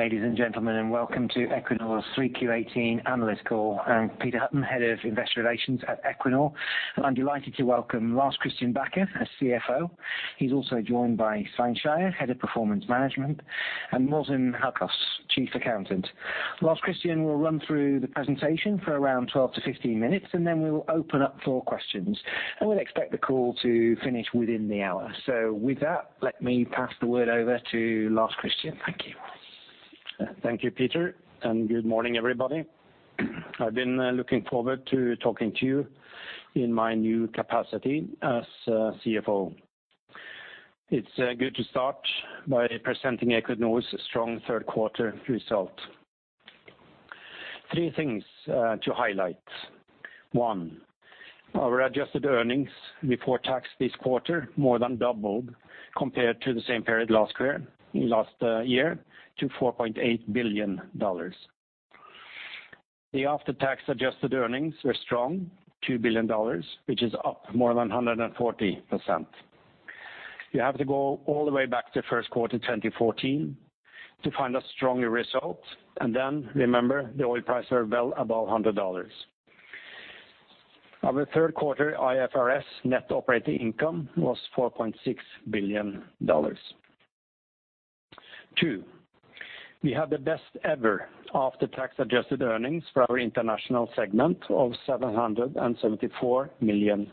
Ladies and gentlemen, welcome to Equinor's 3Q18 analyst call. I'm Peter Hutton, Head of Investor Relations at Equinor. I'm delighted to welcome Lars Christian Bacher as CFO. He's also joined by Svein Skeie, Head of Performance Management, and Morten Haukaas, Chief Accountant. Lars Christian will run through the presentation for around 12-15 minutes. We will open up for questions. We'll expect the call to finish within the hour. With that, let me pass the word over to Lars Christian. Thank you. Thank you, Peter, and good morning, everybody. I've been looking forward to talking to you in my new capacity as CFO. It's good to start by presenting Equinor's strong third quarter result. Three things to highlight. One, our adjusted earnings before tax this quarter more than doubled compared to the same period last year to $4.8 billion. The after-tax adjusted earnings were strong, $2 billion, which is up more than 140%. You have to go all the way back to the first quarter of 2014 to find a stronger result. Remember, the oil prices were well above $100. Our third-quarter IFRS net operating income was $4.6 billion. Two, we have the best ever after-tax adjusted earnings for our international segment of $774 million.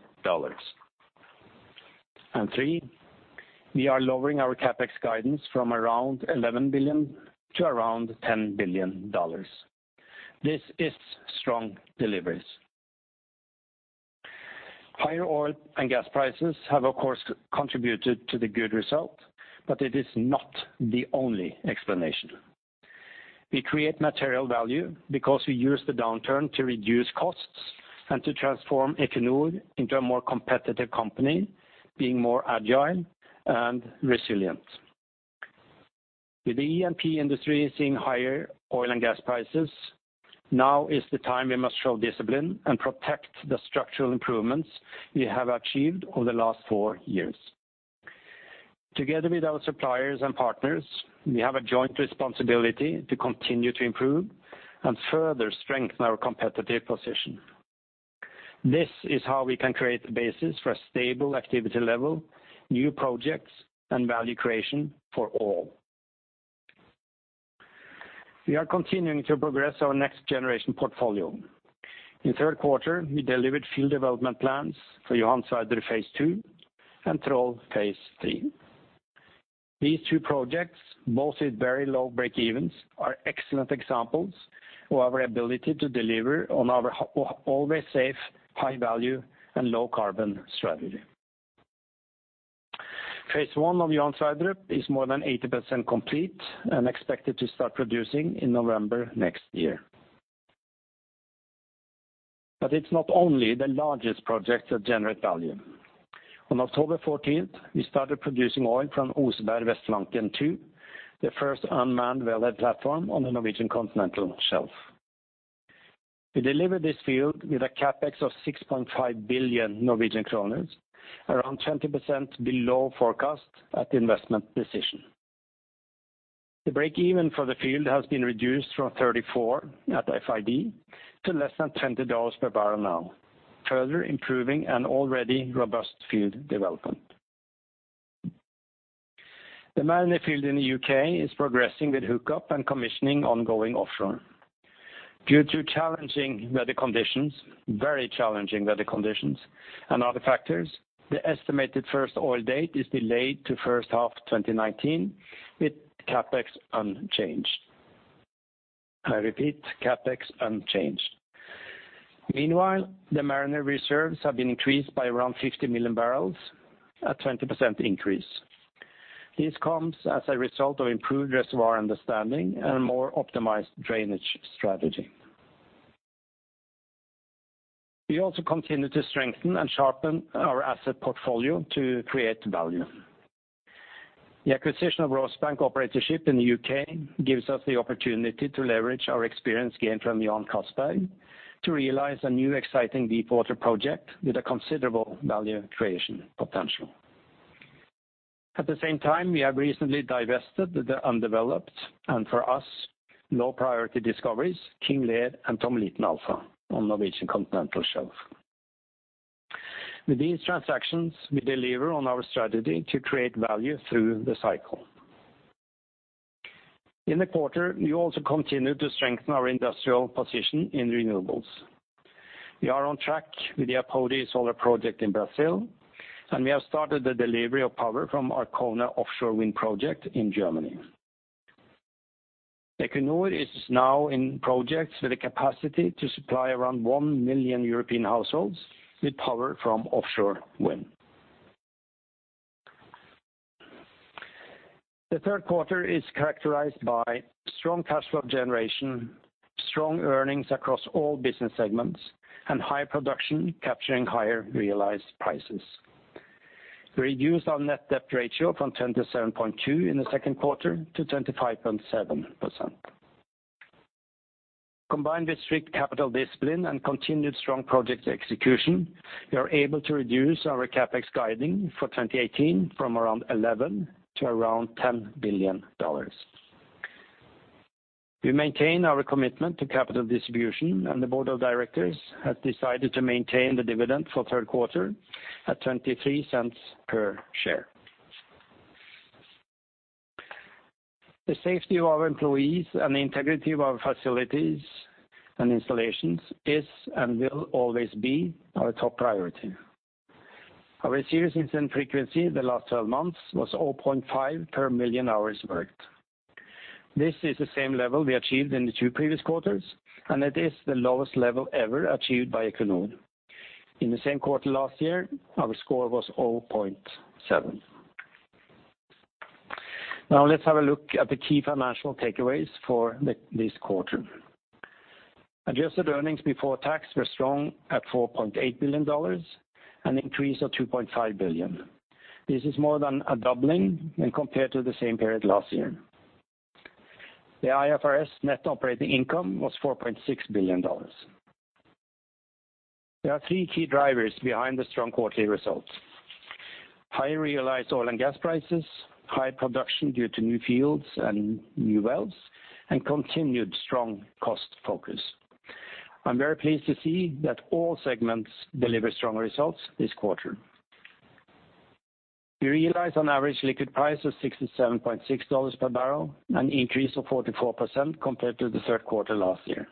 Three, we are lowering our CapEx guidance from around $11 billion to around $10 billion. This is strong deliveries. Higher oil and gas prices have, of course, contributed to the good result. It is not the only explanation. We create material value because we use the downturn to reduce costs and to transform Equinor into a more competitive company, being more agile and resilient. With the E&P industry seeing higher oil and gas prices, now is the time we must show discipline and protect the structural improvements we have achieved over the last four years. Together with our suppliers and partners, we have a joint responsibility to continue to improve and further strengthen our competitive position. This is how we can create the basis for a stable activity level, new projects, and value creation for all. We are continuing to progress our next-generation portfolio. In the third quarter, we delivered field development plans for Johan Sverdrup Phase 2 and Troll Phase 3. These two projects, both with very low breakevens, are excellent examples of our ability to deliver on our always safe, high-value, and low-carbon strategy. Phase 1 of Johan Sverdrup is more than 80% complete and expected to start producing in November next year. It's not only the largest projects that generate value. On October 14th, we started producing oil from Oseberg Vestflanken II, the first unmanned wellhead platform on the Norwegian Continental Shelf. We delivered this field with a CapEx of 6.5 billion Norwegian kroner, around 20% below forecast at the investment decision. The breakeven for the field has been reduced from $34 at FID to less than $20 per barrel now, further improving an already robust field development. The Mariner field in the U.K. is progressing with hookup and commissioning ongoing offshore. Due to challenging weather conditions, very challenging weather conditions, and other factors, the estimated first oil date is delayed to the first half of 2019, with CapEx unchanged. I repeat, CapEx unchanged. Meanwhile, the Mariner reserves have been increased by around 50 million barrels, a 20% increase. This comes as a result of improved reservoir understanding and more optimized drainage strategy. We also continue to strengthen and sharpen our asset portfolio to create value. The acquisition of Rosebank operatorship in the U.K. gives us the opportunity to leverage our experience gained from Johan Castberg to realize a new exciting deepwater project with a considerable value creation potential. At the same time, we have recently divested the undeveloped and, for us, low-priority discoveries, King Lear and Tommeliten Alpha, on the Norwegian Continental Shelf. With these transactions, we deliver on our strategy to create value through the cycle. In the quarter, we also continued to strengthen our industrial position in renewables. We are on track with the Apodi solar project in Brazil, and we have started the delivery of power from Arkona offshore wind project in Germany. Equinor is now in projects with the capacity to supply around 1 million European households with power from offshore wind. The third quarter is characterized by strong cash flow generation, strong earnings across all business segments, and high production capturing higher realized prices. We reduced our net debt ratio from 27.2% in the second quarter to 25.7%. Combined with strict capital discipline and continued strong project execution, we are able to reduce our CapEx guiding for 2018 from around $11 billion to around $10 billion. We maintain our commitment to capital distribution, and the board of directors have decided to maintain the dividend for the third quarter at $0.23 per share. The safety of our employees and the integrity of our facilities and installations is and will always be our top priority. Our serious incident frequency the last 12 months was 0.5 per million hours worked. This is the same level we achieved in the 2 previous quarters, and it is the lowest level ever achieved by Equinor. In the same quarter last year, our score was 0.7. Now let's have a look at the key financial takeaways for this quarter. Adjusted earnings before tax were strong at $4.8 billion, an increase of $2.5 billion. This is more than a doubling when compared to the same period last year. The IFRS net operating income was $4.6 billion. There are three key drivers behind the strong quarterly results. High realized oil and gas prices, high production due to new fields and new wells, and continued strong cost focus. I'm very pleased to see that all segments delivered strong results this quarter. We realized on average liquid price of $67.6 per barrel, an increase of 44% compared to the third quarter last year.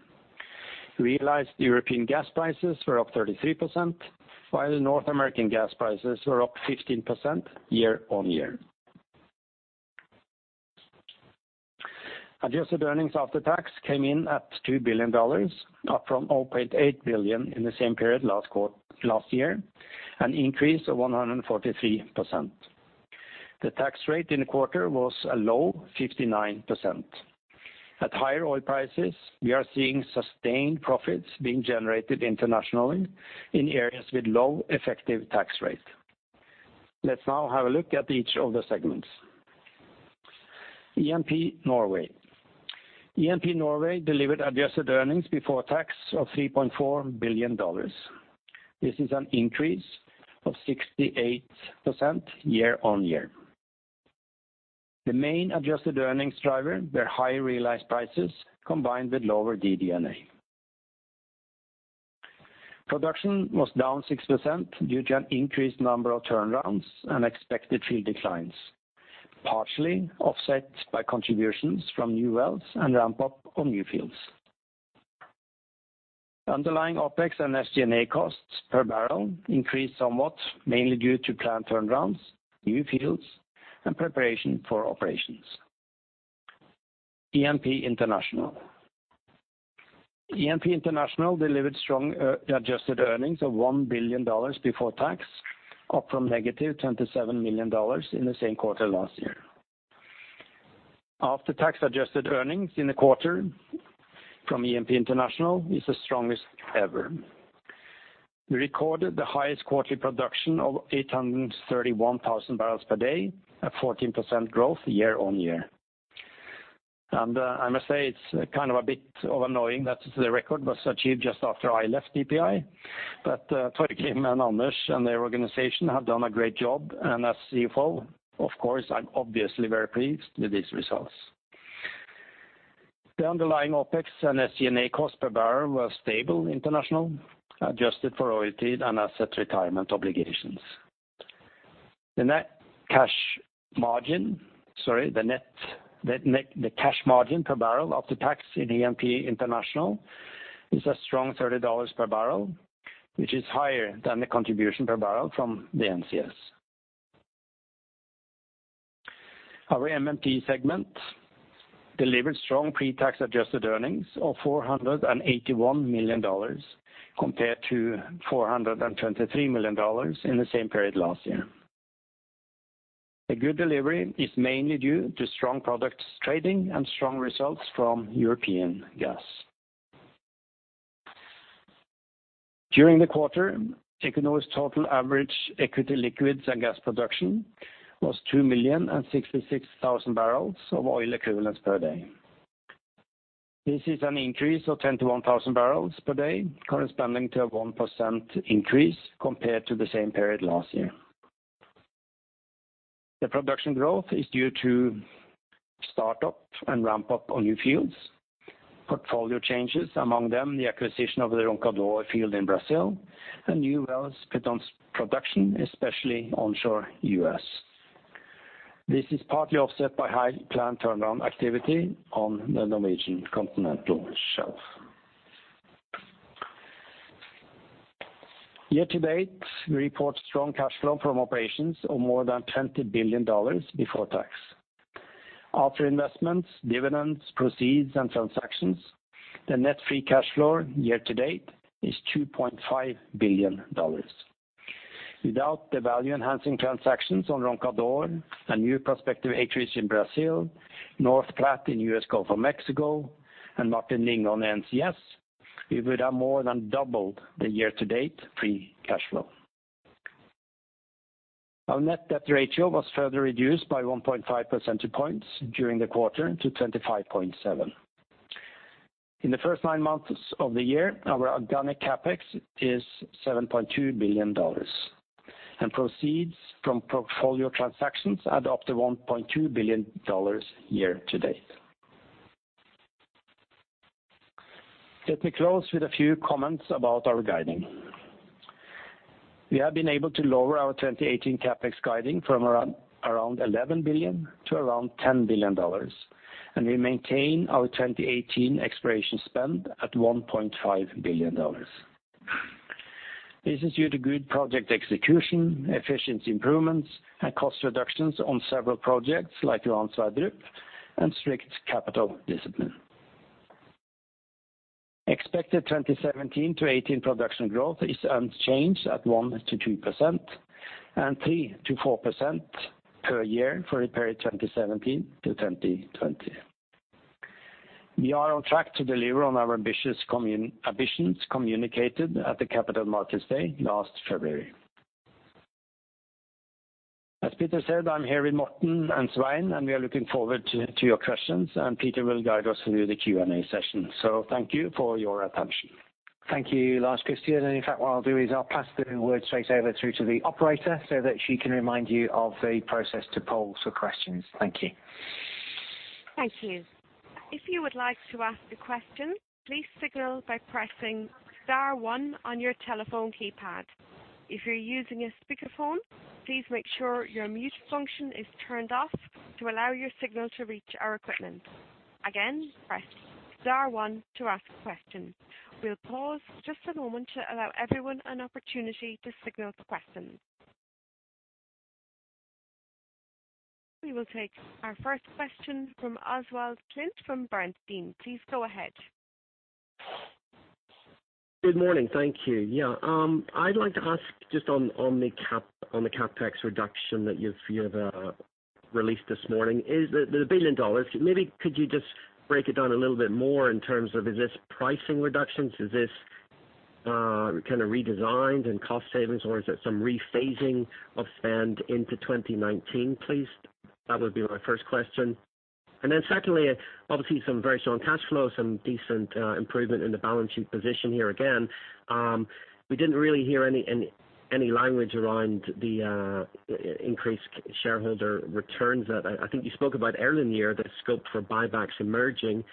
Realized European gas prices were up 33%, while North American gas prices were up 15% year-on-year. Adjusted earnings after tax came in at $2 billion, up from $0.8 billion in the same period last year, an increase of 143%. The tax rate in the quarter was a low 59%. At higher oil prices, we are seeing sustained profits being generated internationally in areas with low effective tax rate. Let's now have a look at each of the segments. E&P Norway. E&P Norway delivered adjusted earnings before tax of $3.4 billion. This is an increase of 68% year-on-year. The main adjusted earnings driver were high realized prices combined with lower DD&A. Production was down 6% due to an increased number of turnarounds and expected field declines, partially offset by contributions from new wells and ramp-up of new fields. Underlying OpEx and SG&A costs per barrel increased somewhat, mainly due to plant turnarounds, new fields, and preparation for operations. E&P International. E&P International delivered strong adjusted earnings of $1 billion before tax, up from negative $27 million in the same quarter last year. After-tax-adjusted earnings in the quarter from E&P International is the strongest ever. We recorded the highest quarterly production of 831,000 barrels per day, a 14% growth year-on-year. I must say, it's kind of a bit annoying that the record was achieved just after I left EPI. Torgrim and Anders and their organization have done a great job, and as CFO, of course, I'm obviously very pleased with these results. The underlying OpEx and SG&A cost per barrel were stable international, adjusted for royalty and asset retirement obligations. The net cash margin per barrel after tax in E&P International is a strong $30 per barrel, which is higher than the contribution per barrel from the NCS. Our MMP segment delivered strong pre-tax-adjusted earnings of $481 million compared to $423 million in the same period last year. A good delivery is mainly due to strong products trading and strong results from European gas. During the quarter, Equinor's total average equity liquids and gas production was 2,066,000 barrels of oil equivalents per day. This is an increase of 21,000 barrels per day, corresponding to a 1% increase compared to the same period last year. The production growth is due to start-up and ramp-up on new fields. Portfolio changes, among them the acquisition of the Roncador field in Brazil and new wells put on production, especially onshore U.S. This is partly offset by high planned turnaround activity on the Norwegian Continental Shelf. Year to date, we report strong cash flow from operations of more than $20 billion before tax. After investments, dividends, proceeds, and transactions, the net free cash flow year to date is $2.5 billion. Without the value-enhancing transactions on Roncador and new prospective acreage in Brazil, North Platte in U.S. Gulf of Mexico, and Wisting on the NCS, we would have more than doubled the year-to-date free cash flow. Our net debt ratio was further reduced by 1.5 percentage points during the quarter to 25.7. In the first nine months of the year, our organic CapEx is $7.2 billion. Proceeds from portfolio transactions add up to $1.2 billion year to date. Let me close with a few comments about our guiding. We have been able to lower our 2018 CapEx guiding from around $11 billion to around $10 billion. We maintain our 2018 exploration spend at $1.5 billion. This is due to good project execution, efficiency improvements, and cost reductions on several projects, like Johan Sverdrup and strict capital discipline. Expected 2017 to 2018 production growth is unchanged at 1%-2% and 3%-4% per year for the period 2017 to 2020. We are on track to deliver on our ambitions communicated at the Capital Markets Day last February. As Peter said, I'm here with Morten and Svein. We are looking forward to your questions, Peter will guide us through the Q&A session. Thank you for your attention. Thank you, Lars Christian. In fact, what I'll do is I'll pass the word straight over to the operator so that she can remind you of the process to poll for questions. Thank you. Thank you. If you would like to ask a question, please signal by pressing star one on your telephone keypad. If you're using a speakerphone, please make sure your mute function is turned off to allow your signal to reach our equipment. Again, press star one to ask a question. We'll pause just a moment to allow everyone an opportunity to signal for questions. We will take our first question from Oswald Clint from Bernstein. Please go ahead. Good morning. Thank you. Yeah. I'd like to ask just on the CapEx reduction that you've released this morning, the NOK 1 billion, maybe could you just break it down a little bit more in terms of, is this pricing reductions? Is this kind of redesigned and cost savings, or is it some rephasing of spend into 2019, please? That would be my first question. Secondly, obviously some very strong cash flow, some decent improvement in the balance sheet position here again. We didn't really hear any language around the increased shareholder returns that I think you spoke about earlier in the year, the scope for buybacks emerging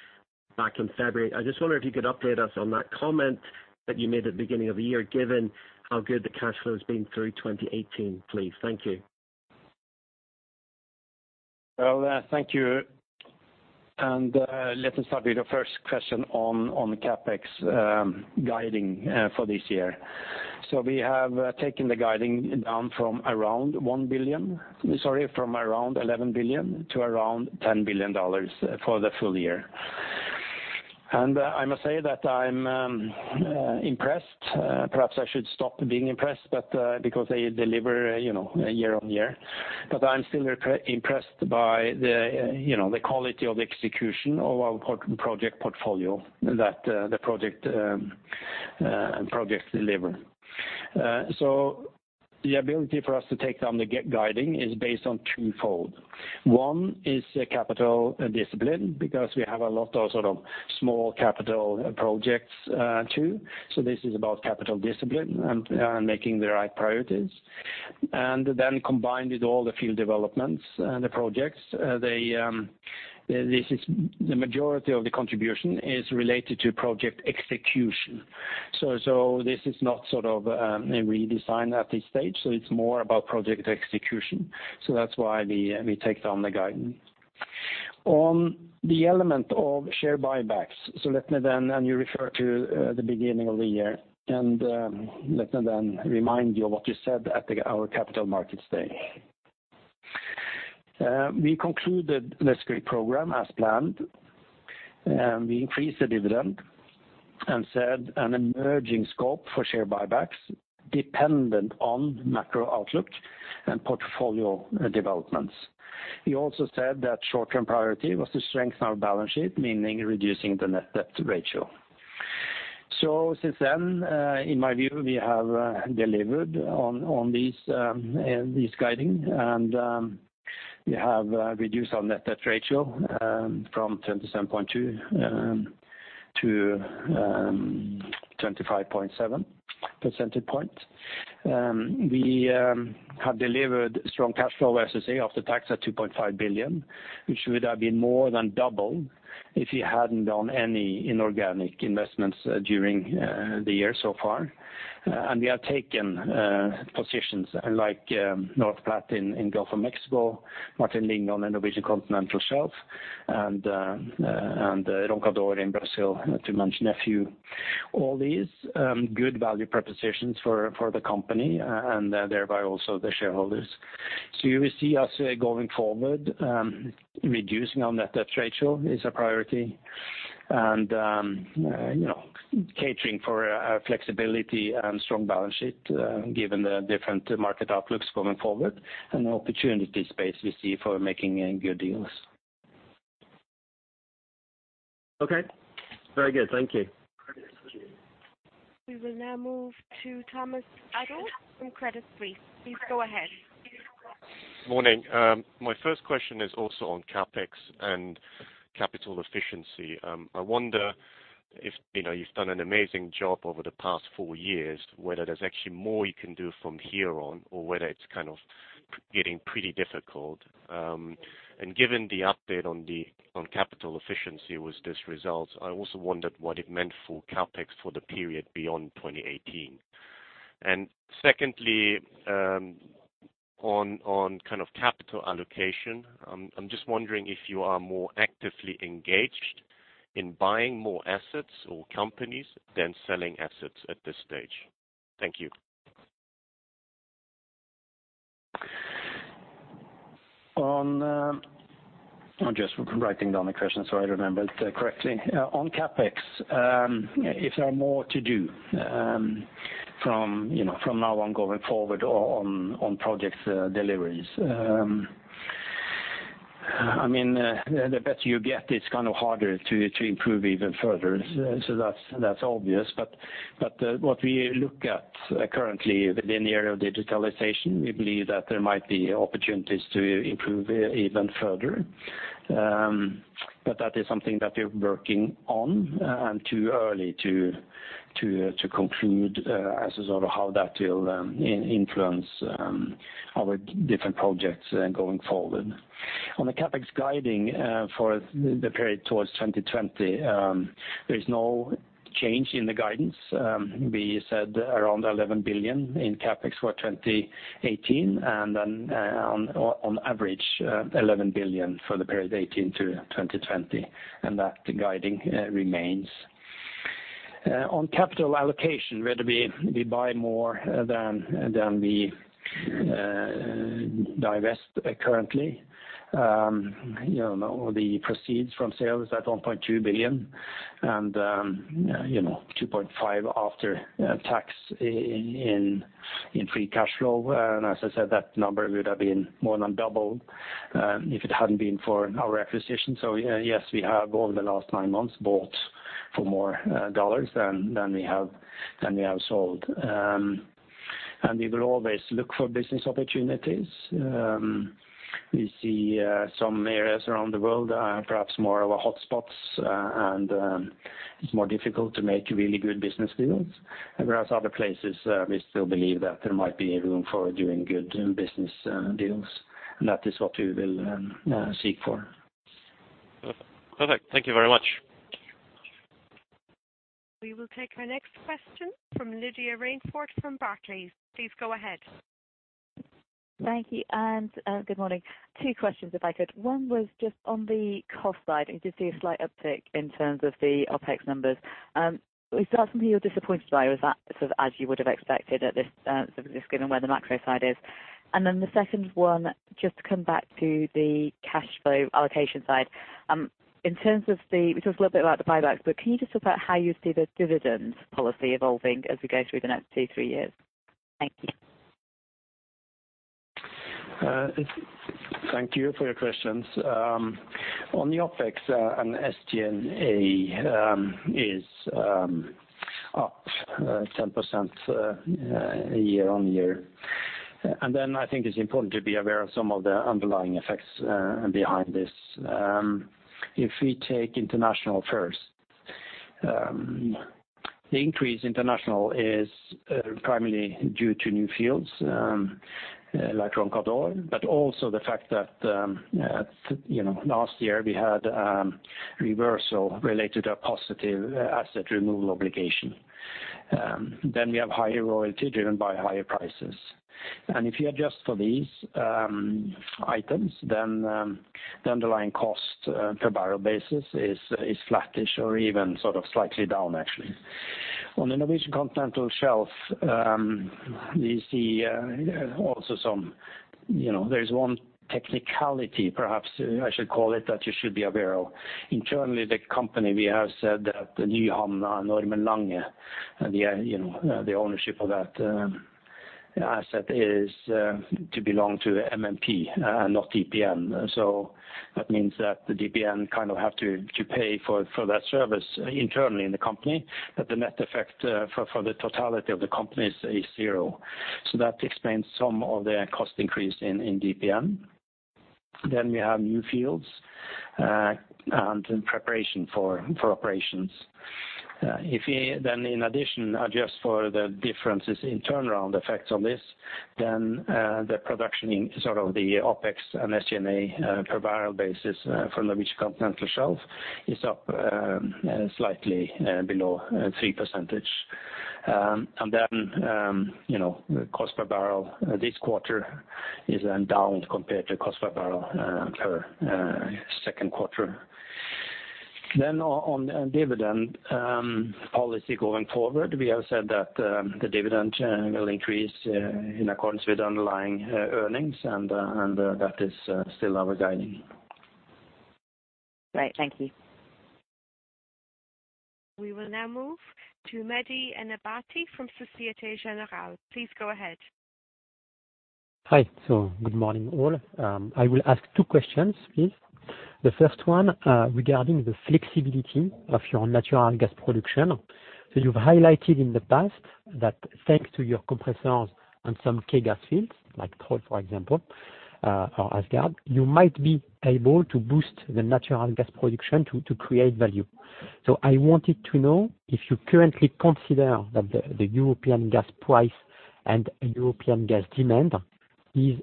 back in February. I just wonder if you could update us on that comment that you made at the beginning of the year, given how good the cash flow has been through 2018, please. Thank you. Well, thank you. Let me start with the first question on CapEx guiding for this year. We have taken the guiding down from around $11 billion to around $10 billion for the full year. I must say that I'm impressed. Perhaps I should stop being impressed, because they deliver year on year. I'm still impressed by the quality of execution of our project portfolio, that the projects deliver. The ability for us to take down the guiding is based on twofold. One is capital discipline, because we have a lot of sort of small capital projects, too. This is about capital discipline and making the right priorities. Then combined with all the field developments and the projects, the majority of the contribution is related to project execution. This is not sort of a redesign at this stage. It's more about project execution. That's why we take down the guidance. On the element of share buybacks, you refer to the beginning of the year, let me then remind you of what we said at our Capital Markets Day. We concluded the Scrip program as planned. We increased the dividend and said an emerging scope for share buybacks dependent on macro outlook and portfolio developments. We also said that short-term priority was to strengthen our balance sheet, meaning reducing the net debt ratio. Since then, in my view, we have delivered on these guiding, we have reduced our net debt ratio from 27.2 to 25.7 percentage points. We have delivered strong cash flow, as I say, of the tax at $2.5 billion, which would have been more than double if we hadn't done any inorganic investments during the year so far. We have taken positions like North Platte in Gulf of Mexico, Martin Linge on the Norwegian Continental Shelf, and Roncador in Brazil, to mention a few. All these good value propositions for the company and thereby also the shareholders. You will see us going forward reducing our net debt ratio is a priority and catering for our flexibility and strong balance sheet given the different market outlooks going forward and the opportunity space we see for making good deals. Okay. Very good. Thank you. We will now move to Thomas Adolff from Credit Suisse. Please go ahead. Morning. My first question is also on CapEx and capital efficiency. I wonder if you've done an amazing job over the past four years, whether there's actually more you can do from here on or whether it's getting pretty difficult. Given the update on capital efficiency with this result, I also wondered what it meant for CapEx for the period beyond 2018. Secondly, on capital allocation, I'm just wondering if you are more actively engaged in buying more assets or companies than selling assets at this stage. Thank you. I'm just writing down the question so I remember it correctly. On CapEx, if there are more to do from now on going forward on project deliveries. The better you get, it's harder to improve even further. That's obvious. What we look at currently within the area of digitalization, we believe that there might be opportunities to improve even further. That is something that we're working on and too early to conclude as to how that will influence our different projects going forward. On the CapEx guiding for the period towards 2020, there is no change in the guidance. We said around $11 billion in CapEx for 2018 and then on average $11 billion for the period 2018 to 2020. That guiding remains. On capital allocation, whether we buy more than we divest currently. The proceeds from sales at $1.2 billion and $2.5 billion after tax in free cash flow. As I said, that number would have been more than double if it hadn't been for our acquisition. Yes, we have, over the last nine months, bought for more dollars than we have sold. We will always look for business opportunities. We see some areas around the world are perhaps more of a hotspots, and it's more difficult to make really good business deals. Whereas other places, we still believe that there might be room for doing good business deals. That is what we will seek for. Perfect. Thank you very much. We will take our next question from Lydia Rainforth from Barclays. Please go ahead. Thank you, and good morning. Two questions if I could. One was just on the cost side, you did see a slight uptick in terms of the OpEx numbers. Is that something you're disappointed by, or is that as you would have expected given where the macro side is? The second one, just to come back to the cash flow allocation side. In terms of the, we talked a little bit about the buybacks, but can you just talk about how you see the dividends policy evolving as we go through the next two, three years? Thank you. Thank you for your questions. On the OpEx and SG&A is up 10% year-on-year. I think it's important to be aware of some of the underlying effects behind this. If we take international first, the increase international is primarily due to new fields like Roncador, but also the fact that last year we had reversal related to positive asset removal obligation. We have higher royalty driven by higher prices. If you adjust for these items, the underlying cost per barrel basis is flattish or even slightly down actually. On the Norwegian Continental Shelf, we see there's one technicality, perhaps I should call it, that you should be aware of. Internally, the company we have said that the Nyhamna, Ormen Lange, the ownership of that asset is to belong to MMP and not DPN. That means that the DPN have to pay for that service internally in the company. That the net effect for the totality of the company is zero. That explains some of the cost increase in DPN. We have new fields and preparation for operations. If we in addition adjust for the differences in turnaround effects on this, the production in the OpEx and SG&A per barrel basis for Norwegian Continental Shelf is up slightly below three %. Cost per barrel this quarter is then down compared to cost per barrel per second quarter. On dividend policy going forward, we have said that the dividend will increase in accordance with underlying earnings, that is still our guiding. Great. Thank you. We will now move to Mehdi Ennabati from Societe Generale. Please go ahead. Hi. Good morning, all. I will ask two questions, please. The first one regarding the flexibility of your natural gas production. You've highlighted in the past that thanks to your compressors and some key gas fields, like Troll, for example, or Åsgard, you might be able to boost the natural gas production to create value. I wanted to know if you currently consider that the European gas price and European gas demand is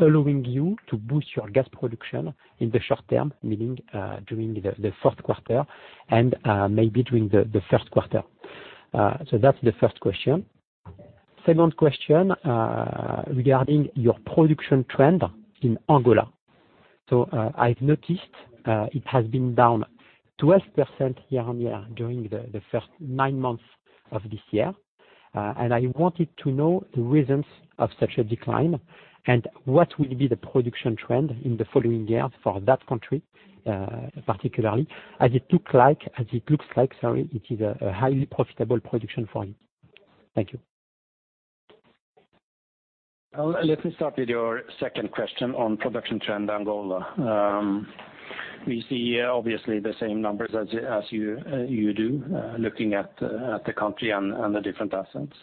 allowing you to boost your gas production in the short term, meaning, during the fourth quarter and maybe during the first quarter. That's the first question. Second question, regarding your production trend in Angola. I've noticed it has been down 12% year-on-year during the first nine months of this year. I wanted to know the reasons of such a decline and what will be the production trend in the following years for that country, particularly, as it looks like, it is a highly profitable production for you. Thank you. Let me start with your second question on production trend, Angola. We see, obviously, the same numbers as you do, looking at the country and the different assets.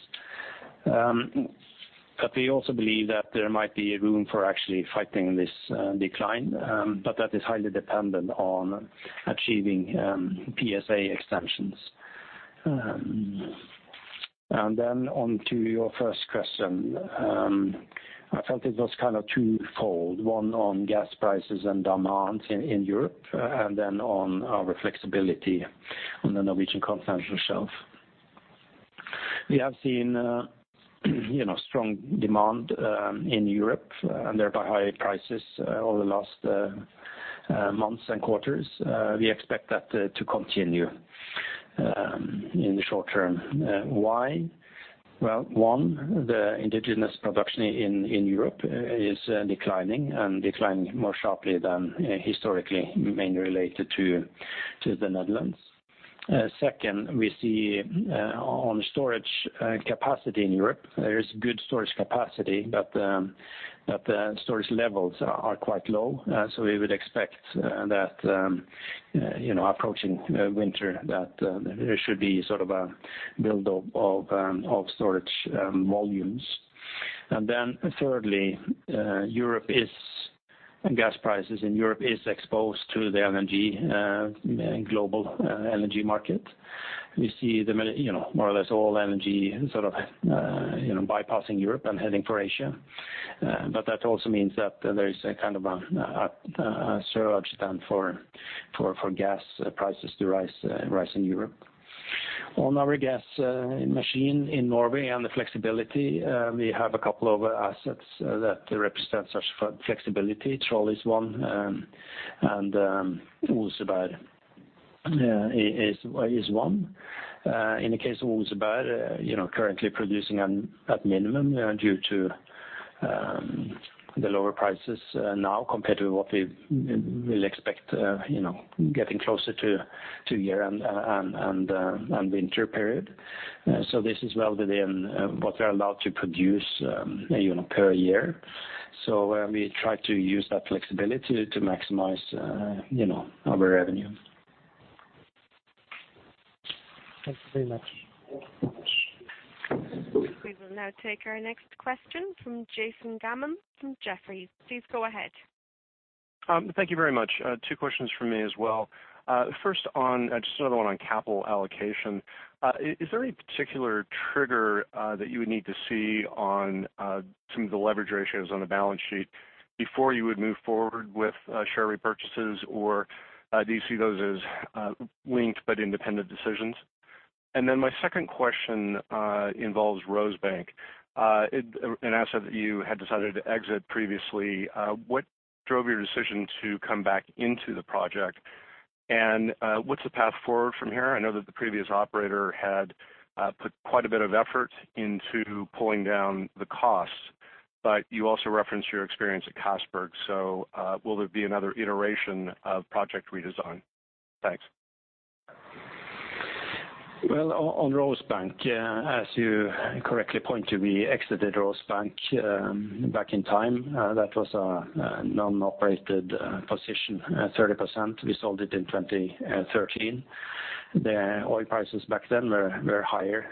We also believe that there might be room for actually fighting this decline, but that is highly dependent on achieving PSA extensions. On to your first question. I felt it was kind of twofold. One on gas prices and demand in Europe, and then on our flexibility on the Norwegian Continental Shelf. We have seen strong demand in Europe, and thereby higher prices over the last months and quarters. We expect that to continue in the short term. Why? Well, one, the indigenous production in Europe is declining and declining more sharply than historically, mainly related to the Netherlands. Second, we see on storage capacity in Europe, there is good storage capacity, but the storage levels are quite low. We would expect that approaching winter, that there should be sort of a buildup of storage volumes. Thirdly, gas prices in Europe is exposed to the energy in global energy market. We see more or less all energy sort of bypassing Europe and heading for Asia. That also means that there is a kind of a surcharge then for gas prices to rise in Europe. On our gas machine in Norway and the flexibility, we have a couple of assets that represent such flexibility. Troll is one, and Oseberg is one. In the case of Oseberg, currently producing at minimum due to the lower prices now compared to what we will expect getting closer to year-end and winter period. This is well within what we are allowed to produce per year. We try to use that flexibility to maximize our revenue. Thanks very much. We will now take our next question from Jason Gammel from Jefferies. Please go ahead. Thank you very much. Two questions from me as well. First, just another one on capital allocation. Is there any particular trigger that you would need to see on some of the leverage ratios on the balance sheet before you would move forward with share repurchases, or do you see those as linked but independent decisions? My second question involves Rosebank. An asset that you had decided to exit previously. What drove your decision to come back into the project? What's the path forward from here? I know that the previous operator had put quite a bit of effort into pulling down the costs. You also referenced your experience at Castberg. Will there be another iteration of project redesign? Thanks. Well, on Rosebank, as you correctly point to, we exited Rosebank back in time. That was a non-operated position, 30%. We sold it in 2013. The oil prices back then were higher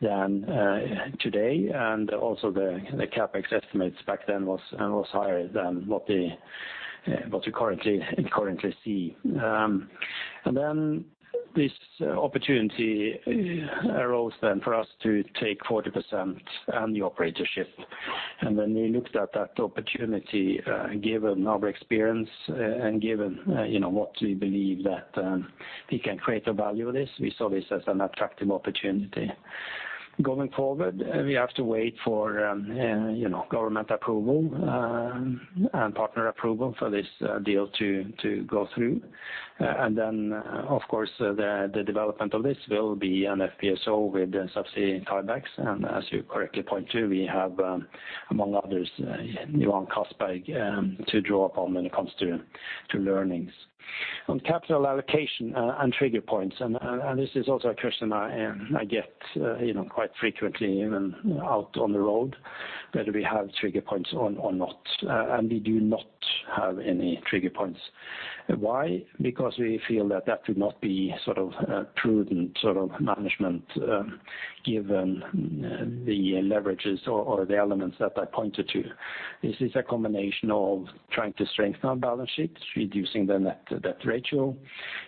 than today. Also, the CapEx estimates back then was higher than what we currently see. This opportunity arose then for us to take 40% and the operatorship. We looked at that opportunity, given our experience and given what we believe that we can create a value of this, we saw this as an attractive opportunity. Going forward, we have to wait for government approval and partner approval for this deal to go through. Of course, the development of this will be an FPSO with subsea tiebacks. As you correctly point to, we have, among others, Johan Castberg, to draw upon when it comes to learnings. On capital allocation and trigger points, this is also a question I get quite frequently even out on the road, whether we have trigger points or not. We do not have any trigger points. Why? Because we feel that that would not be a prudent sort of management given the leverages or the elements that I pointed to. This is a combination of trying to strengthen our balance sheets, reducing the net debt ratio.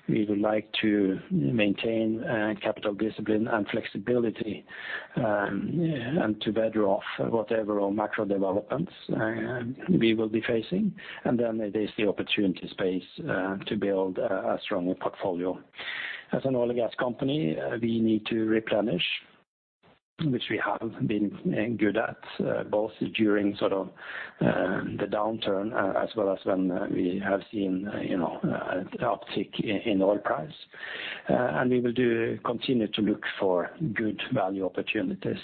We would like to maintain capital discipline and flexibility, and to better off whatever macro developments we will be facing. There is the opportunity space to build a stronger portfolio. As an oil and gas company, we need to replenish, which we have been good at, both during the downturn as well as when we have seen an uptick in oil price. We will continue to look for good value opportunities.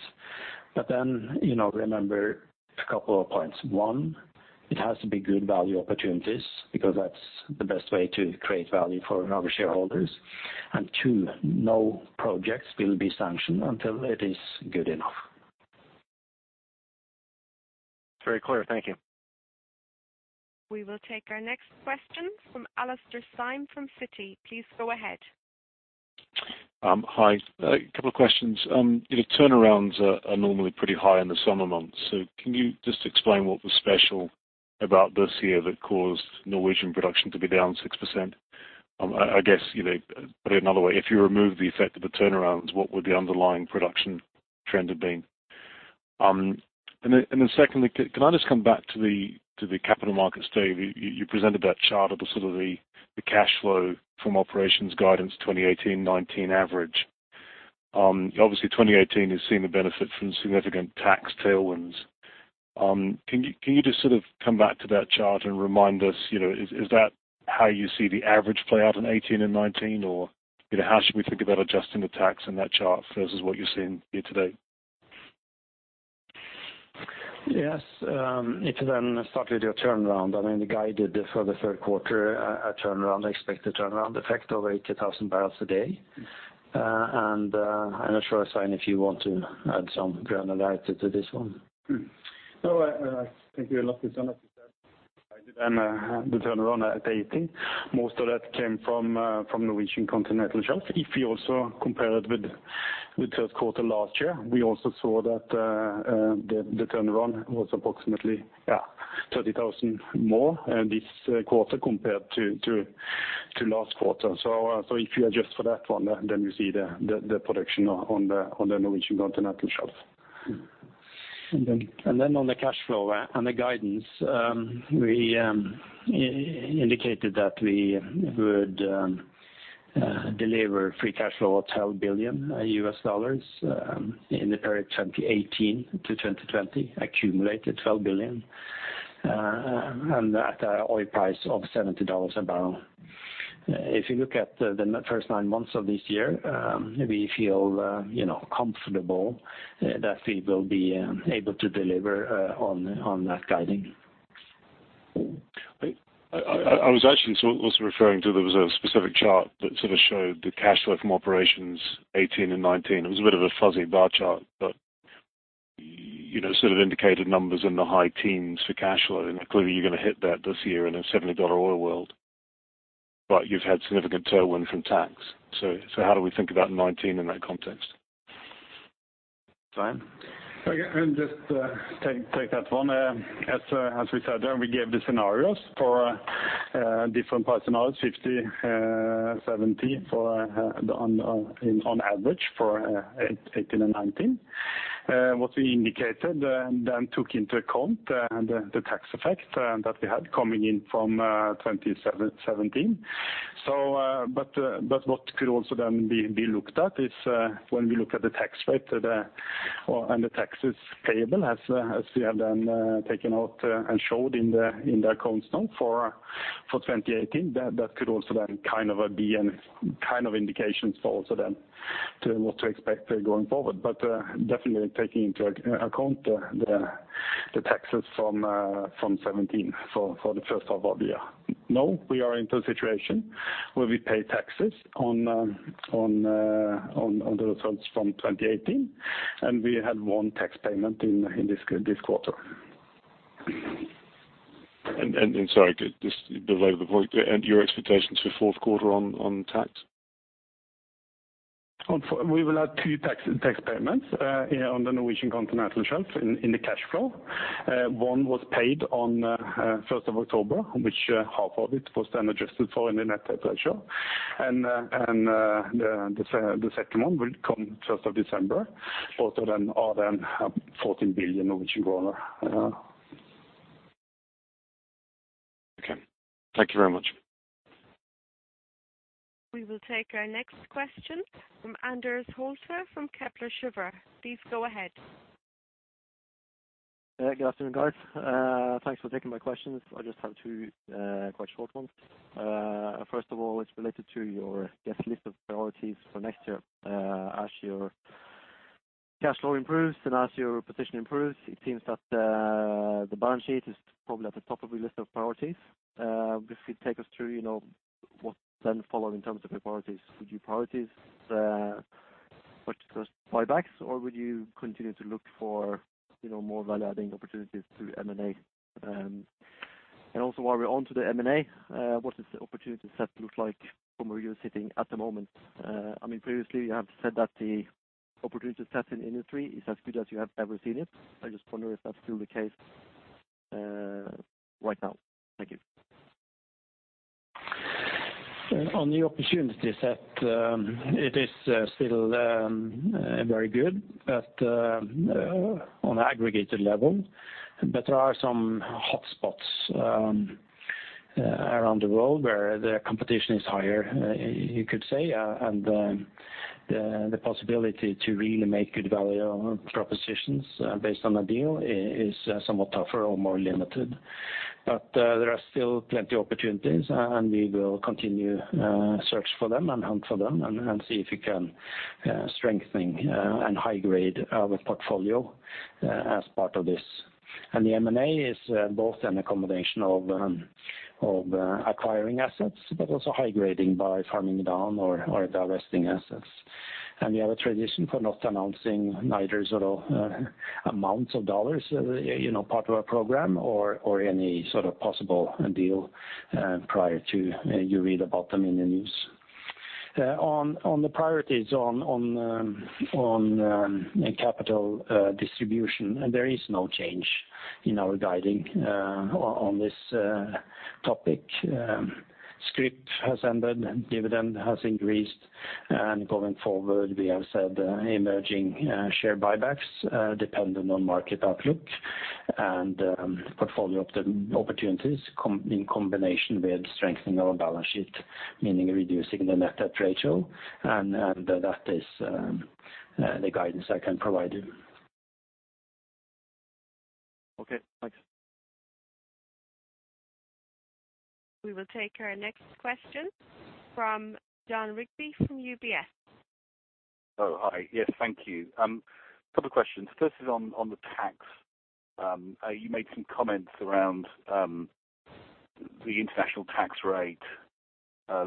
Remember a couple of points. One, it has to be good value opportunities, because that's the best way to create value for our shareholders. Two, no projects will be sanctioned until it is good enough. Very clear. Thank you. We will take our next question from Alastair Syme from Citi. Please go ahead. Hi. A couple of questions. Turnarounds are normally pretty high in the summer months, so can you just explain what was special about this year that caused Norwegian production to be down 6%? I guess, put it another way, if you remove the effect of the turnarounds, what would the underlying production trend have been? Secondly, can I just come back to the Capital Markets Day? You presented that chart of the sort of the cash flow from operations guidance 2018-2019 average. Obviously 2018 has seen the benefit from significant tax tailwinds. Can you just sort of come back to that chart and remind us, is that how you see the average play out in 2018 and 2019, or how should we think about adjusting the tax in that chart versus what you are seeing here today? Yes. If you start with your turnaround, I mean, the guide for the third quarter, expected turnaround effect of 80,000 barrels a day. I'm not sure, Svein, if you want to add some granularity to this one. No, I think you're locked in on what you said. I did the turnaround at 2018. Most of that came from Norwegian Continental Shelf. If you also compare it with the third quarter last year, we also saw that the turnaround was approximately 30,000 more this quarter compared to last quarter. If you adjust for that one, then you see the production on the Norwegian Continental Shelf. On the cash flow and the guidance, we indicated that we would deliver free cash flow of $12 billion in the period 2018 to 2020, accumulated $12 billion, and at an oil price of $70 a barrel. If you look at the first nine months of this year, we feel comfortable that we will be able to deliver on that guiding. I was actually also referring to, there was a specific chart that sort of showed the cash flow from operations 2018 and 2019. It was a bit of a fuzzy bar chart, but sort of indicated numbers in the high teens for cash flow. Clearly, you're going to hit that this year in a $70 oil world. You've had significant tailwind from tax. How do we think about 2019 in that context? Svein? Okay. I'll just take that one. As we said there, we gave the scenarios for different price scenarios, 50/70 on average for 2018 and 2019. What we indicated and then took into account the tax effect that we had coming in from 2017. What could also then be looked at is when we look at the tax rate and the taxes payable as we have then taken out and showed in the account now for 2018. That could also then be an indication for also then what to expect going forward. Definitely taking into account the taxes from 2017 for the first half of the year. We are in the situation where we pay taxes on the results from 2018, and we had one tax payment in this quarter. Sorry, just below the point, and your expectations for fourth quarter on tax? We will have two tax payments on the Norwegian continental shelf in the cash flow. One was paid on 1st of October, which half of it was then adjusted for in the net debt ratio. The second one will come 1st of December. Both of them are then $14 billion. Okay. Thank you very much. We will take our next question from Anders Holte from Kepler Cheuvreux. Please go ahead. Good afternoon, guys. Thanks for taking my questions. I just have two quite short ones. First of all, it's related to your list of priorities for next year. As your cash flow improves and as your position improves, it seems that the balance sheet is probably at the top of your list of priorities. If you'd take us through what then follow in terms of your priorities, would you prioritize first buybacks, or would you continue to look for more value-adding opportunities through M&A? Also, while we're onto the M&A, what does the opportunity set look like from where you're sitting at the moment? Previously, you have said that the opportunity set in the industry is as good as you have ever seen it. I just wonder if that's still the case right now. Thank you. On the opportunity set, it is still very good on an aggregated level. There are some hot spots around the world where the competition is higher, you could say. The possibility to really make good value propositions based on a deal is somewhat tougher or more limited. There are still plenty opportunities, and we will continue search for them and hunt for them and see if we can strengthening and high grade our portfolio as part of this. The M&A is both a combination of acquiring assets, but also high grading by farming down or divesting assets. We have a tradition for not announcing neither sort of amounts of dollars, part of our program or any sort of possible deal prior to you read about them in the news. On the priorities on a capital distribution, there is no change in our guiding on this topic. Scrip has ended, dividend has increased. Going forward, we have said emerging share buybacks dependent on market outlook and portfolio opportunities in combination with strengthening our balance sheet, meaning reducing the net debt ratio. That is the guidance I can provide you. Okay, thanks. We will take our next question from Jon Rigby from UBS. Oh, hi. Yes, thank you. Couple of questions. First is on the tax. You made some comments around the international tax rate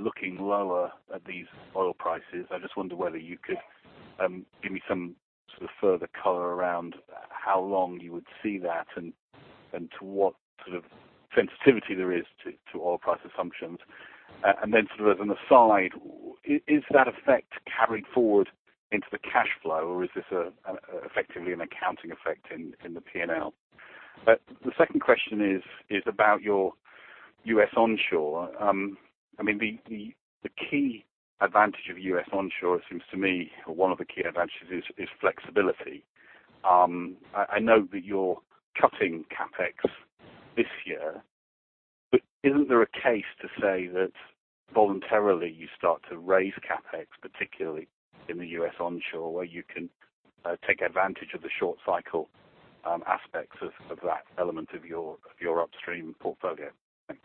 looking lower at these oil prices. I just wonder whether you could give me some sort of further color around how long you would see that and to what sort of sensitivity there is to oil price assumptions. Then sort of as an aside, is that effect carried forward into the cash flow, or is this effectively an accounting effect in the P&L? The second question is about your U.S. onshore. The key advantage of U.S. onshore seems to me, or one of the key advantages is flexibility. I know that you're cutting CapEx this year, but isn't there a case to say that voluntarily you start to raise CapEx, particularly in the U.S. onshore, where you can take advantage of the short cycle aspects of that element of your upstream portfolio? Thanks.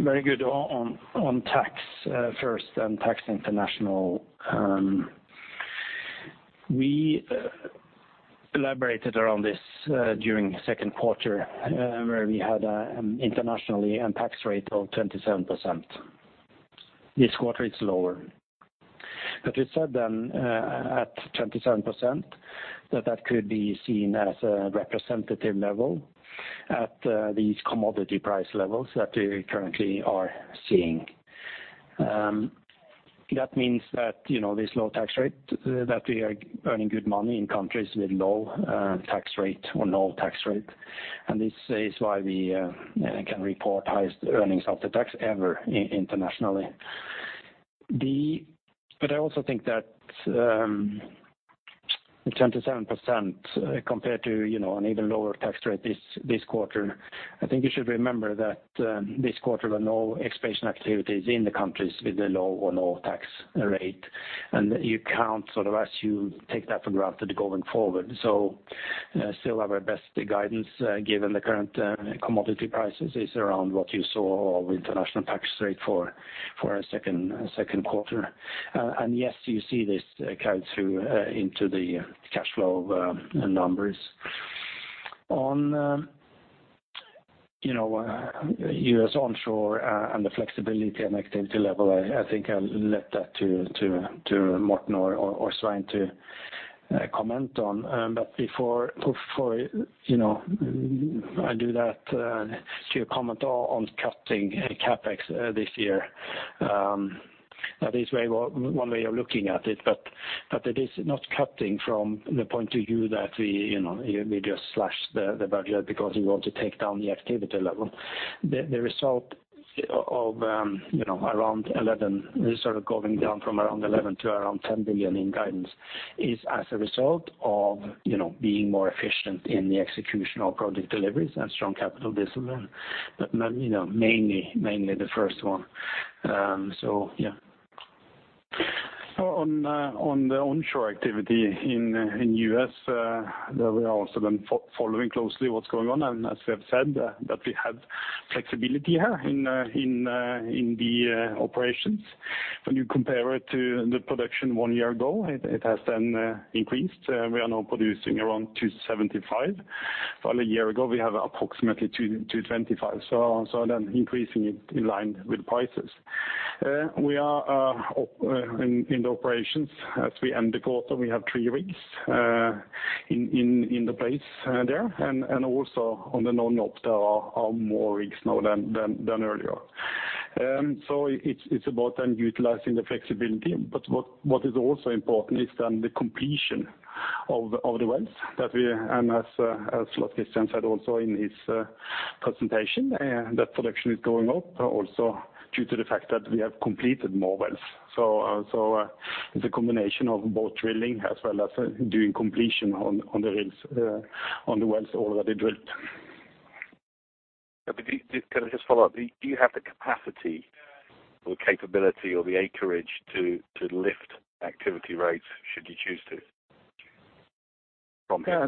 Very good. On tax first, tax international. We elaborated around this during second quarter, where we had internationally a tax rate of 27%. This quarter it's lower. We said then at 27%, that that could be seen as a representative level at these commodity price levels that we currently are seeing. That means that this low tax rate, that we are earning good money in countries with low tax rate or no tax rate. This is why we can report highest earnings after tax ever internationally. I also think that 27% compared to an even lower tax rate this quarter, I think you should remember that this quarter were no exploration activities in the countries with the low or no tax rate. You can't sort of assume, take that for granted going forward. Still our best guidance, given the current commodity prices is around what you saw with international tax rate for our second quarter. Yes, you see this count into the cash flow numbers. On U.S. onshore and the flexibility and activity level, I think I'll let that to Morten or Svein to comment on. Before I do that, to comment on cutting CapEx this year. That is one way of looking at it, but it is not cutting from the point of view that we just slashed the budget because we want to take down the activity level. The result of going down from around $11 billion to around $10 billion in guidance is as a result of being more efficient in the execution of project deliveries and strong capital discipline. Mainly the first one. Yeah. On the onshore activity in U.S., we are also then following closely what's going on. As we have said that we have flexibility here in the operations. When you compare it to the production one year ago, it has then increased. We are now producing around 275. A year ago, we have approximately 225. Then increasing it in line with prices. We are in the operations. As we end the quarter, we have three rigs in place there. Also on the non-op, there are more rigs now than earlier. It's about then utilizing the flexibility. What is also important is then the completion of the wells, as Lars Christian said also in his presentation, that production is going up also due to the fact that we have completed more wells. It's a combination of both drilling as well as doing completion on the wells already drilled. Can I just follow up? Do you have the capacity or the capability or the acreage to lift activity rates should you choose to from here?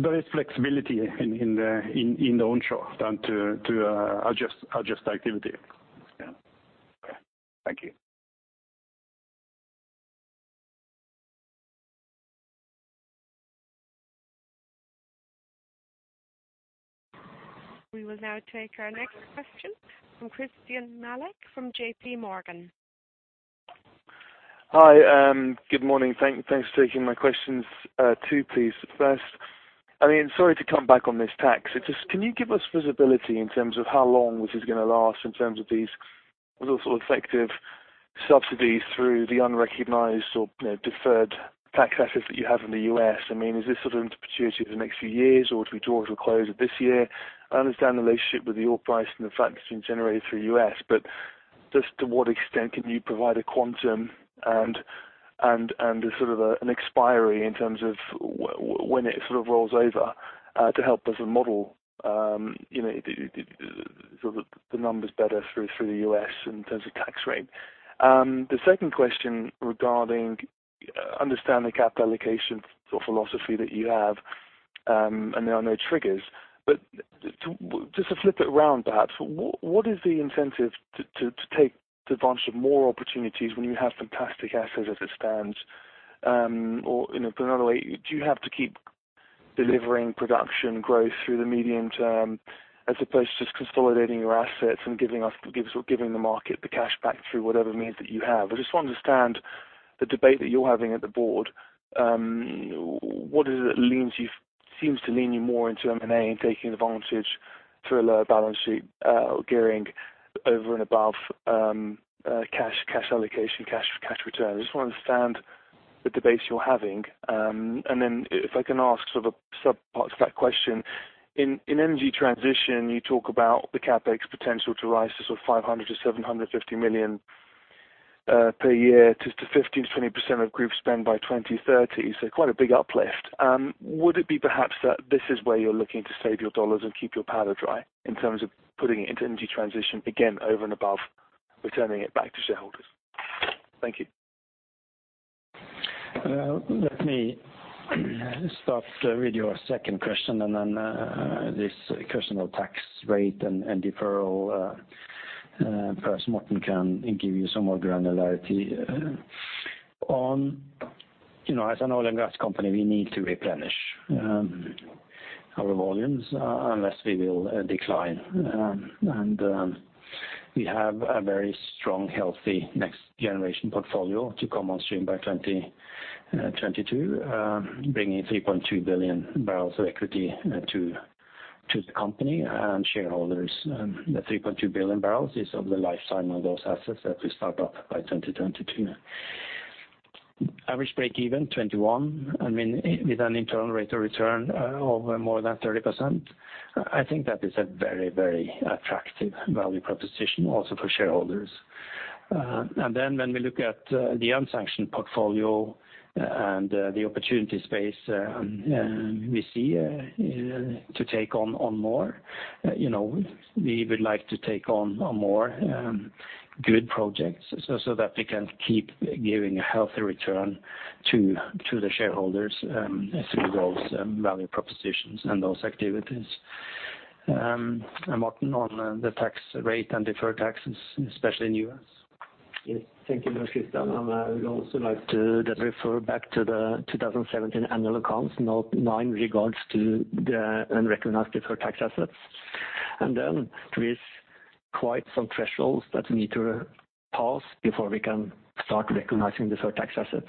There is flexibility in the onshore then to adjust activity. Yeah. Okay. Thank you. We will now take our next question from Christyan Malek from JP Morgan. Hi, good morning. Thanks for taking my questions. Two please. First, sorry to come back on this tax. Can you give us visibility in terms of how long this is going to last in terms of these effective subsidies through the unrecognized or deferred tax assets that you have in the U.S.? Is this sort of into perpetuity for the next few years, or do we talk to the close of this year? I understand the relationship with the oil price and the fact it's being generated through U.S., but just to what extent can you provide a quantum and a sort of an expiry in terms of when it sort of rolls over, to help us model the numbers better through the U.S. in terms of tax rate? The second question regarding understanding capital allocation philosophy that you have, and there are no triggers. Just to flip it around perhaps, what is the incentive to take advantage of more opportunities when you have fantastic assets as it stands? Put another way, do you have to keep delivering production growth through the medium term as opposed to just consolidating your assets and giving the market the cash back through whatever means that you have? I just want to understand the debate that you're having at the board. What is it that seems to lean you more into M&A and taking advantage through a lower balance sheet gearing over and above cash allocation, cash return? I just want to understand the debates you're having. If I can ask sort of a sub part to that question. In energy transition, you talk about the CapEx potential to rise to sort of $500 million-$750 million per year to 15%-20% of group spend by 2030. Quite a big uplift. Would it be perhaps that this is where you're looking to save your dollars and keep your powder dry in terms of putting it into energy transition, again, over and above returning it back to shareholders? Thank you. Let me start with your second question, this question of tax rate and deferral, perhaps Morten can give you some more granularity. As an oil and gas company, we need to replenish our volumes, unless we will decline. We have a very strong, healthy next generation portfolio to come on stream by 2022, bringing 3.2 billion barrels of equity to the company and shareholders. The 3.2 billion barrels is of the lifetime of those assets that we start up by 2022. Average break even $21, with an internal rate of return of more than 30%. I think that is a very attractive value proposition also for shareholders. When we look at the unsanctioned portfolio and the opportunity space we see to take on more, we would like to take on more good projects so that we can keep giving a healthy return to the shareholders through those value propositions and those activities. Morten on the tax rate and deferred taxes, especially in the U.S. Thank you very much, Christyan. I would also like to just refer back to the 2017 annual accounts, note 9 regards to the unrecognized deferred tax assets. There is quite some thresholds that we need to pass before we can start recognizing deferred tax assets.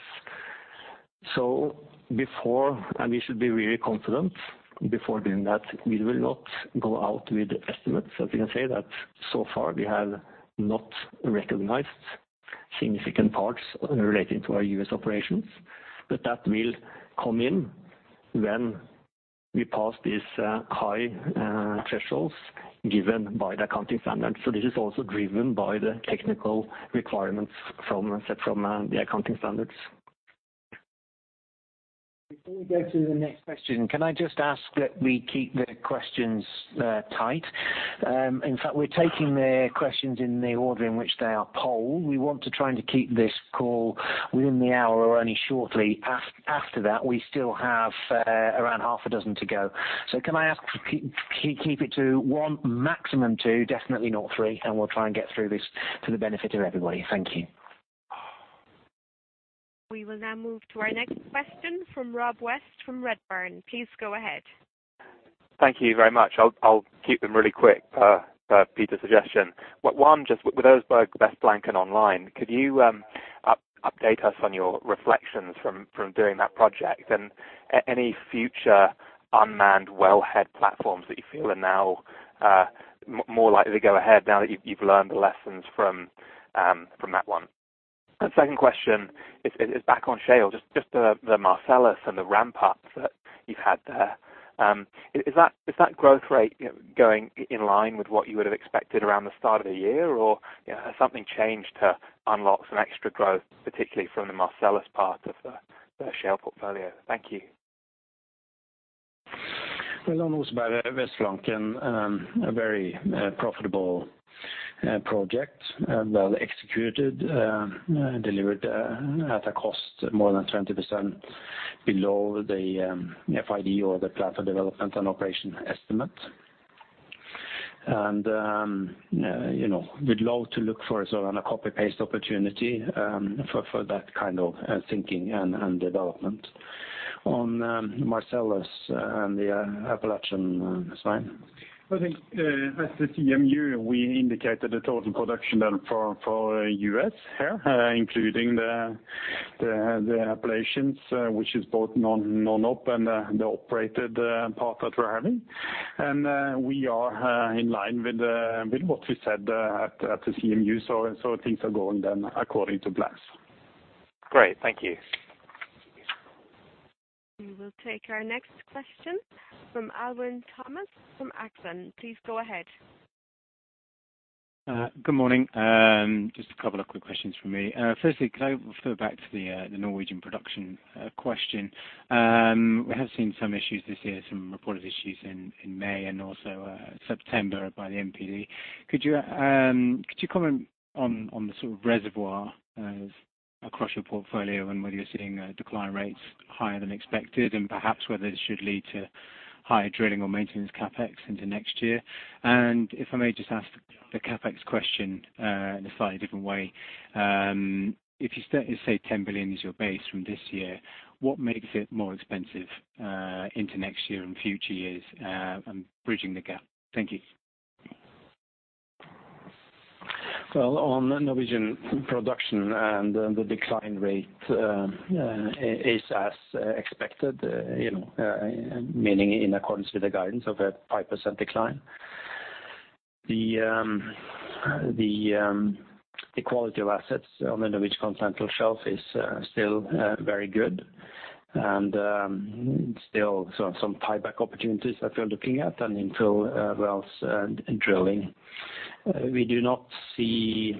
Before, we should be really confident before doing that, we will not go out with estimates. You can say that so far we have not recognized significant parts relating to our U.S. operations. That will come in when we pass these high thresholds given by the accounting standards. This is also driven by the technical requirements set from the accounting standards. Before we go to the next question, can I just ask that we keep the questions tight? In fact, we're taking the questions in the order in which they are polled. We want to try to keep this call within the hour or only shortly after that. We still have around half a dozen to go. Can I ask to keep it to one, maximum two, definitely not three, and we'll try and get through this for the benefit of everybody. Thank you. We will now move to our next question from Rob West from Redburn. Please go ahead. Thank you very much. I'll keep them really quick, per Peter's suggestion. One, just with those Vestflanken online, could you update us on your reflections from doing that project and any future unmanned wellhead platforms that you feel are now more likely to go ahead now that you've learned the lessons from that one? Second question is back on shale, just the Marcellus and the ramp-ups that you've had there. Is that growth rate going in line with what you would have expected around the start of the year? Has something changed to unlock some extra growth, particularly from the Marcellus part of the shale portfolio? Thank you. Well, on those by Vestflanken, a very profitable project, well executed, delivered at a cost more than 20% below the FID or the platform development and operation estimate. We'd love to look for a sort of on a copy-paste opportunity for that kind of thinking and development. On Marcellus and the Appalachian side. I think at the CMU, we indicated the total production done for U.S. here, including the Appalachians, which is both non-op and the operated part that we're having. We are in line with what we said at the CMU. Things are going then according to plans. Great. Thank you. We will take our next question from Alwyn Thomas from Exane. Please go ahead. Good morning. Just a couple of quick questions from me. Firstly, could I refer back to the Norwegian production question? We have seen some issues this year, some reported issues in May and also September by the NPD. Could you comment on the sort of reservoir across your portfolio and whether you're seeing decline rates higher than expected, and perhaps whether this should lead to higher drilling or maintenance CapEx into next year? If I may just ask the CapEx question in a slightly different way. If you say $10 billion is your base from this year, what makes it more expensive into next year and future years and bridging the gap? Thank you. Well, on Norwegian production and the decline rate is as expected, meaning in accordance with the guidance of a 5% decline. The quality of assets on the Norwegian continental shelf is still very good. Still some tieback opportunities that we're looking at and infill wells and drilling. We do not see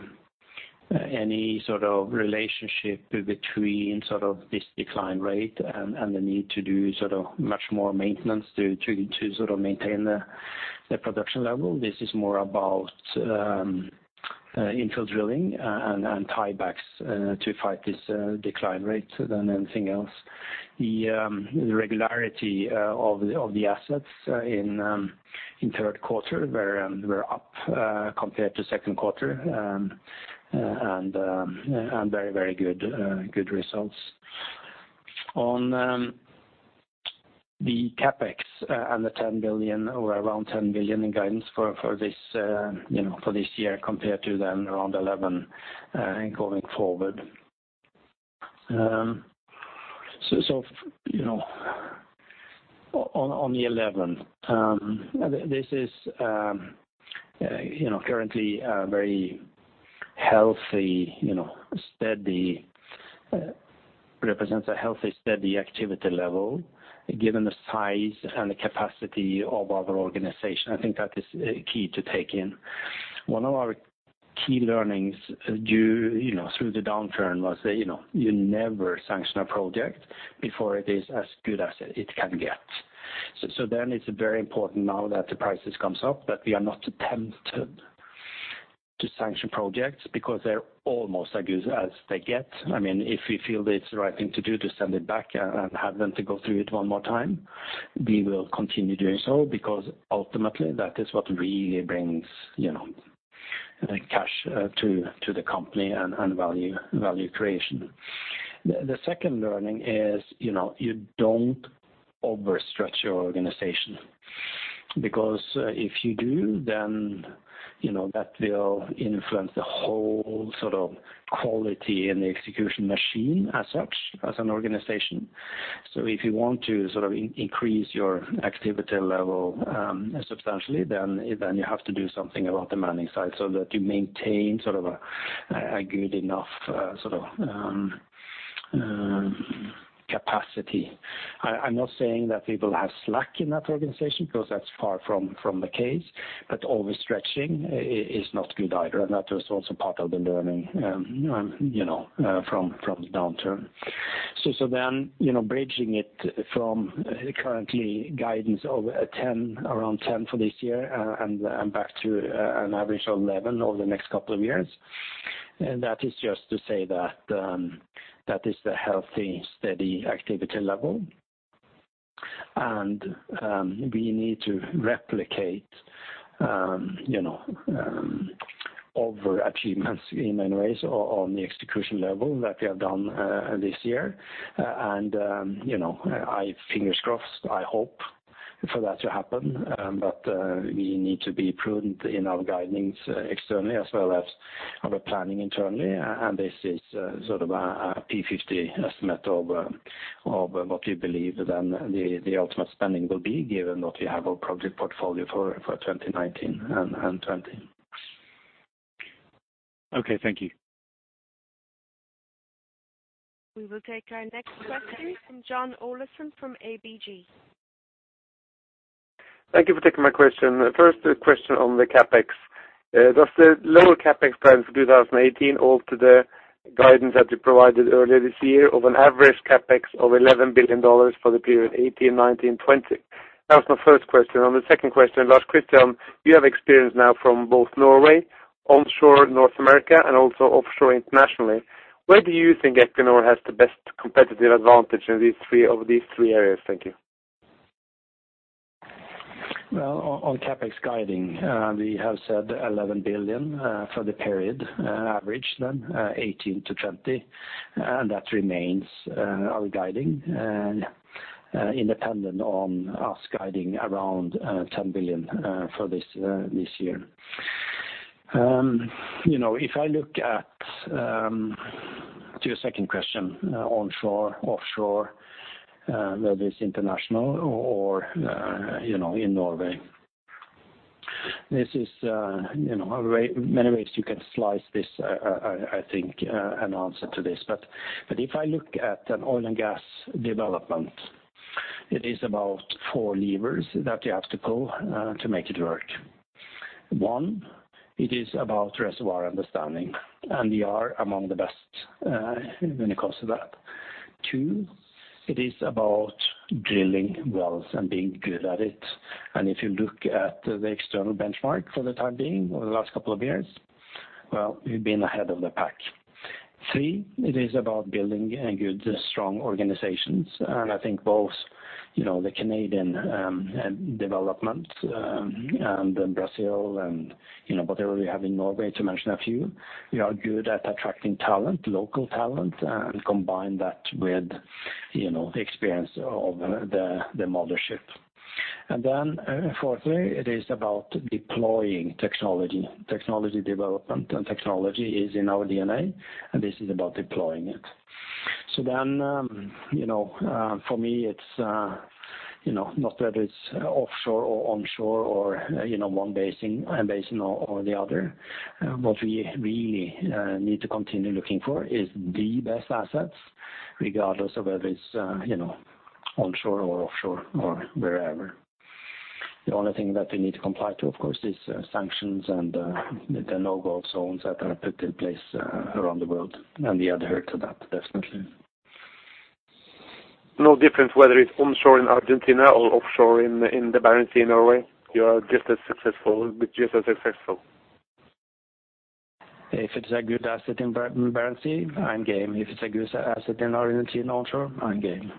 any sort of relationship between sort of this decline rate and the need to do sort of much more maintenance to sort of maintain the production level. This is more about infill drilling and tiebacks to fight this decline rate than anything else. The regularity of the assets in third quarter were up compared to second quarter, and very good results. On the CapEx and the around $10 billion in guidance for this year compared to then around $11 billion going forward. On the $11 billion, this is currently very healthy, steady. Represents a healthy, steady activity level given the size and the capacity of our organization. I think that is key to take in. One of our key learnings through the downturn was that you never sanction a project before it is as good as it can get. It's very important now that the prices comes up, that we are not tempted to sanction projects because they're almost as good as they get. If we feel it's the right thing to do to send it back and have them to go through it one more time, we will continue doing so, because ultimately that is what really brings the cash to the company and value creation. The second learning is, you don't overstretch your organization, because if you do, then that will influence the whole sort of quality and the execution machine as such, as an organization. If you want to sort of increase your activity level substantially, then you have to do something about the manning side so that you maintain sort of a good enough capacity. I'm not saying that people have slack in that organization, because that's far from the case. Overstretching is not good either. That was also part of the learning from the downturn. Bridging it from currently guidance of around $10 billion for this year and back to an average of $11 billion over the next couple of years. That is just to say that is the healthy, steady activity level. And we need to replicate over achievements in many ways on the execution level that we have done this year. I, fingers crossed, I hope for that to happen. We need to be prudent in our guidings externally as well as our planning internally. This is sort of a P50 estimate of what we believe the ultimate spending will be given what we have our project portfolio for 2019 and 2020. Okay. Thank you. We will take our next question from John Olaisen from ABG. Thank you for taking my question. First question on the CapEx. Does the lower CapEx plan for 2018 alter the guidance that you provided earlier this year of an average CapEx of $11 billion for the period 2018, 2019, 2020? That was my first question. On the second question, Lars Christian, you have experience now from both Norway, onshore North America, and also offshore internationally. Where do you think Equinor has the best competitive advantage of these three areas? Thank you. On CapEx guiding, we have said $11 billion for the period average 2018-2020. That remains our guiding independent on us guiding around $10 billion for this year. If I look at to your second question onshore, offshore, whether it's international or in Norway. This is many ways you can slice this, I think, an answer to this. If I look at an oil and gas development, it is about four levers that you have to pull to make it work. One, it is about reservoir understanding, and we are among the best when it comes to that. Two, it is about drilling wells and being good at it. If you look at the external benchmark for the time being over the last couple of years, well, we've been ahead of the pack. Three, it is about building good, strong organizations. I think both the Canadian development and then Brazil and whatever we have in Norway, to mention a few, we are good at attracting talent, local talent, and combine that with the experience of the mothership. Fourthly, it is about deploying technology. Technology development and technology is in our DNA, and this is about deploying it. For me, it's not whether it's offshore or onshore or one basin or the other. What we really need to continue looking for is the best assets, regardless of whether it's onshore or offshore or wherever. The only thing that we need to comply to, of course, is sanctions and the no-go zones that are put in place around the world. We adhere to that, definitely. No difference whether it's onshore in Argentina or offshore in the Barents Sea in Norway, you are just as successful. If it's a good asset in Barents Sea, I'm game. If it's a good asset in Argentina onshore, I'm game.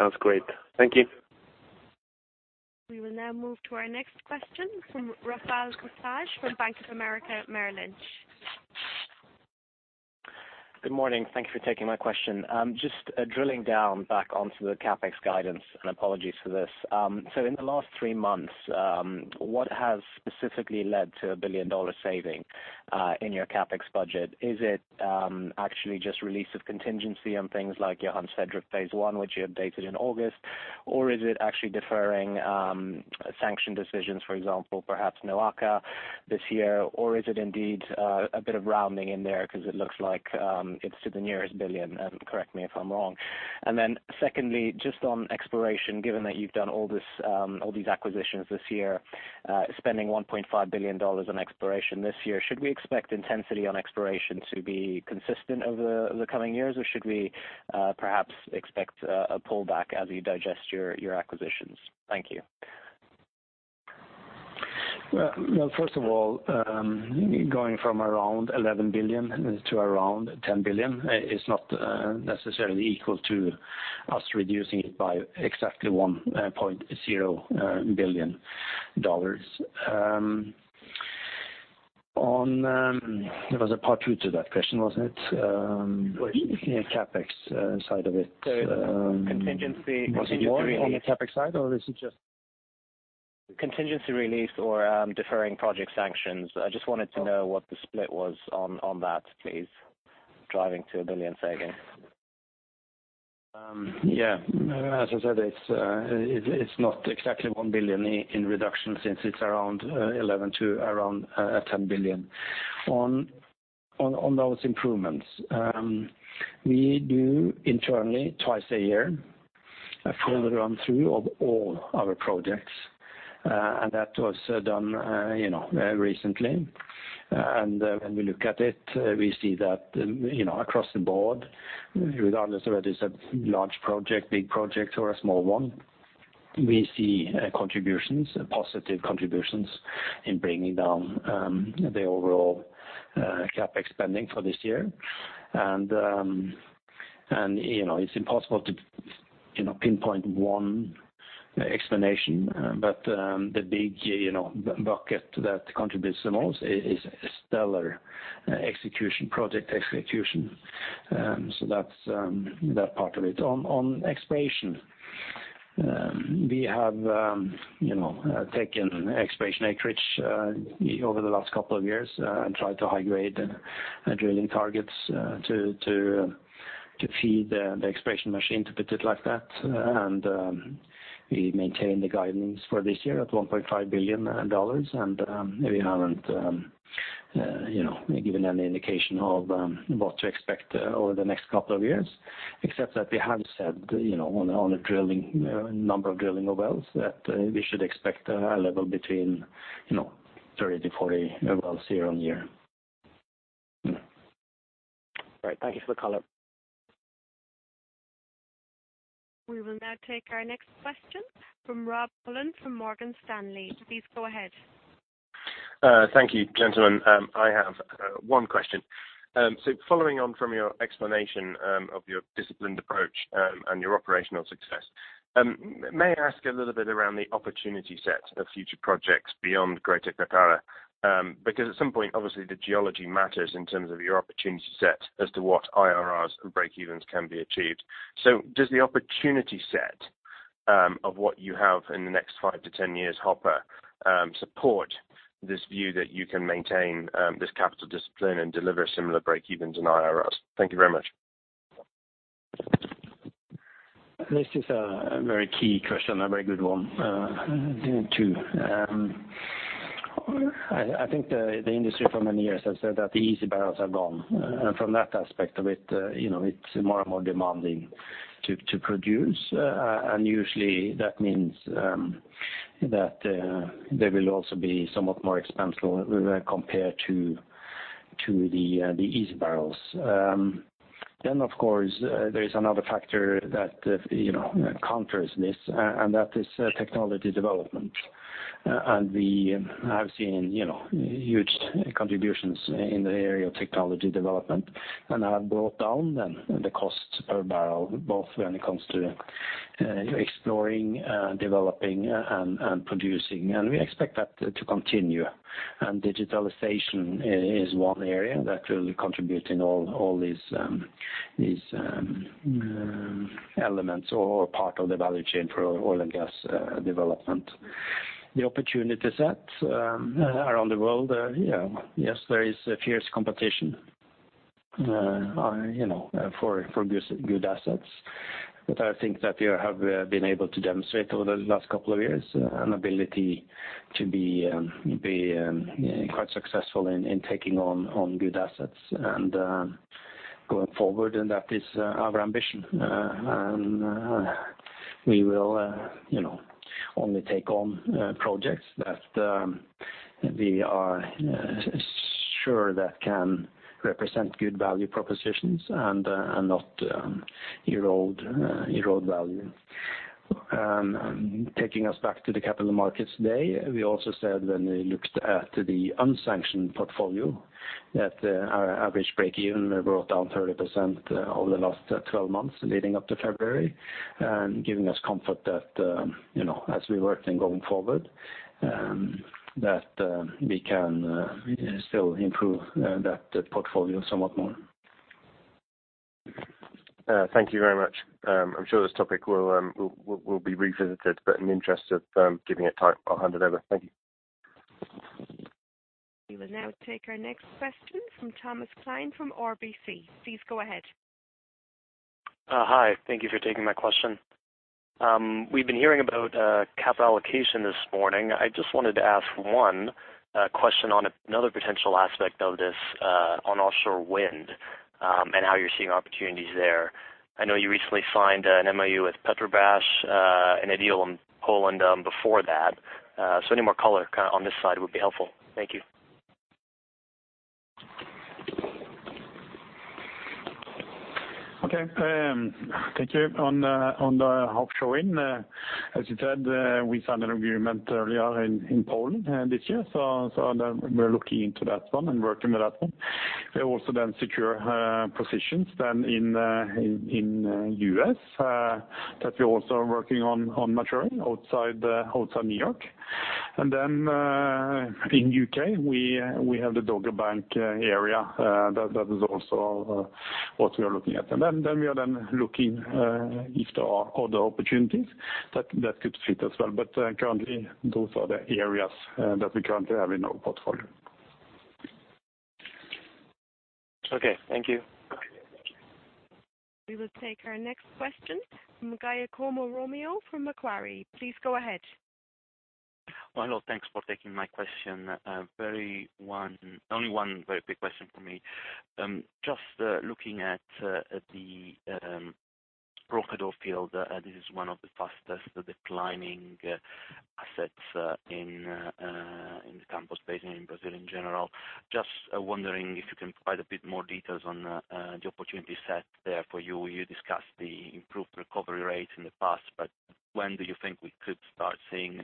Sounds great. Thank you. We will now move to our next question from Rafal Swiatkiewicz from Bank of America Merrill Lynch. Good morning. Thank you for taking my question. Just drilling down back onto the CapEx guidance, apologies for this. In the last 3 months, what has specifically led to a $1 billion saving in your CapEx budget? Is it actually just release of contingency on things like Johan Sverdrup Phase 1, which you updated in August? Or is it actually deferring sanction decisions, for example, perhaps NOAKA this year? Or is it indeed a bit of rounding in there because it looks like it's to the nearest billion, correct me if I'm wrong. Secondly, just on exploration, given that you've done all these acquisitions this year, spending $1.5 billion on exploration this year, should we expect intensity on exploration to be consistent over the coming years? Or should we perhaps expect a pullback as you digest your acquisitions? Thank you. Well, first of all, going from around $11 billion to around $10 billion is not necessarily equal to us reducing it by exactly $1.0 billion. There was a part 2 to that question, wasn't it? Which? CapEx side of it. Contingency release. Was it more on the CapEx side, or is it just. Contingency release or deferring project sanctions. I just wanted to know what the split was on that, please, driving to a $1 billion saving. Yeah. As I said, it's not exactly $1 billion in reduction since it's around $11 billion to around $10 billion. On those improvements, we do internally twice a year a full run through of all our projects. That was done recently. When we look at it, we see that across the board, regardless of whether it's a large project, big project or a small one. We see positive contributions in bringing down the overall CapEx spending for this year. It's impossible to pinpoint one explanation. The big bucket that contributes the most is stellar project execution. That's that part of it. On exploration, we have taken exploration acreage over the last couple of years and tried to high-grade drilling targets to feed the exploration machine, to put it like that. We maintain the guidance for this year at $1.5 billion. We haven't given any indication of what to expect over the next couple of years, except that we have said on a number of drilling of wells, that we should expect a level between 30-40 wells year-on-year. All right. Thank you for the color. We will now take our next question from Robert Pulleyn from Morgan Stanley. Please go ahead. Thank you, gentlemen. I have one question. Following on from your explanation of your disciplined approach and your operational success, may I ask a little bit around the opportunity set of future projects beyond Greater Carcará? Because at some point, obviously the geology matters in terms of your opportunity set as to what IRRs and breakevens can be achieved. Does the opportunity set of what you have in the next 5 to 10 years hopper support this view that you can maintain this capital discipline and deliver similar breakevens and IRRs? Thank you very much. This is a very key question, a very good one too. I think the industry for many years has said that the easy barrels are gone. From that aspect of it's more and more demanding to produce. Usually that means that they will also be somewhat more expensive compared to the easy barrels. Of course, there is another factor that counters this, and that is technology development. We have seen huge contributions in the area of technology development and have brought down then the cost per barrel, both when it comes to exploring, developing and producing. We expect that to continue. Digitalization is one area that will contribute in all these elements or part of the value chain for oil and gas development. The opportunity set around the world, yes, there is fierce competition for good assets. I think that we have been able to demonstrate over the last couple of years an ability to be quite successful in taking on good assets and going forward, and that is our ambition. We will only take on projects that we are sure that can represent good value propositions and not erode value. Taking us back to the Capital Markets Day, we also said when we looked at the unsanctioned portfolio, that our average breakeven were brought down 30% over the last 12 months leading up to February, and giving us comfort that as we work then going forward, that we can still improve that portfolio somewhat more. Thank you very much. I'm sure this topic will be revisited, in the interest of keeping it tight, I'll hand it over. Thank you. We will now take our next question from Thomas Klein from RBC. Please go ahead. Hi. Thank you for taking my question. We've been hearing about capital allocation this morning. I just wanted to ask one question on another potential aspect of this on offshore wind, and how you're seeing opportunities there. I know you recently signed an MoU with Petrobras, and Ideol in Poland before that. Any more color on this side would be helpful. Thank you. Okay. Thank you. On the offshore wind, as you said, we signed an agreement earlier in Poland this year. We're looking into that one and working with that one. We also then secure positions then in U.S. that we're also working on maturing outside New York. In U.K., we have the Dogger Bank area. That is also what we are looking at. We are then looking if there are other opportunities that could fit as well. Currently those are the areas that we currently have in our portfolio. Okay. Thank you. Okay. Thank you. We will take our next question from Giacomo Romeo from Macquarie. Please go ahead. Hello. Thanks for taking my question. Only one very quick question from me. Just looking at the Roncador field, this is one of the fastest declining assets in the Campos Basin in Brazil in general. Just wondering if you can provide a bit more details on the opportunity set there for you. You discussed the improved recovery rate in the past, but when do you think we could start seeing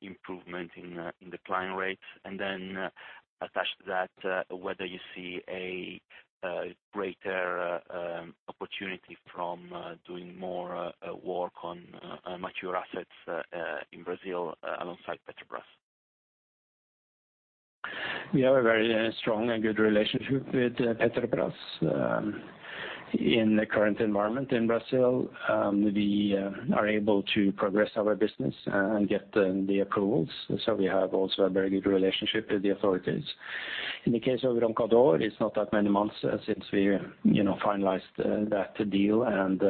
improvement in decline rates? Attached to that, whether you see a greater opportunity from doing more work on mature assets in Brazil alongside Petrobras. We have a very strong and good relationship with Petrobras. In the current environment in Brazil, we are able to progress our business and get the approvals. We have also a very good relationship with the authorities. In the case of Roncador, it's not that many months since we finalized that deal and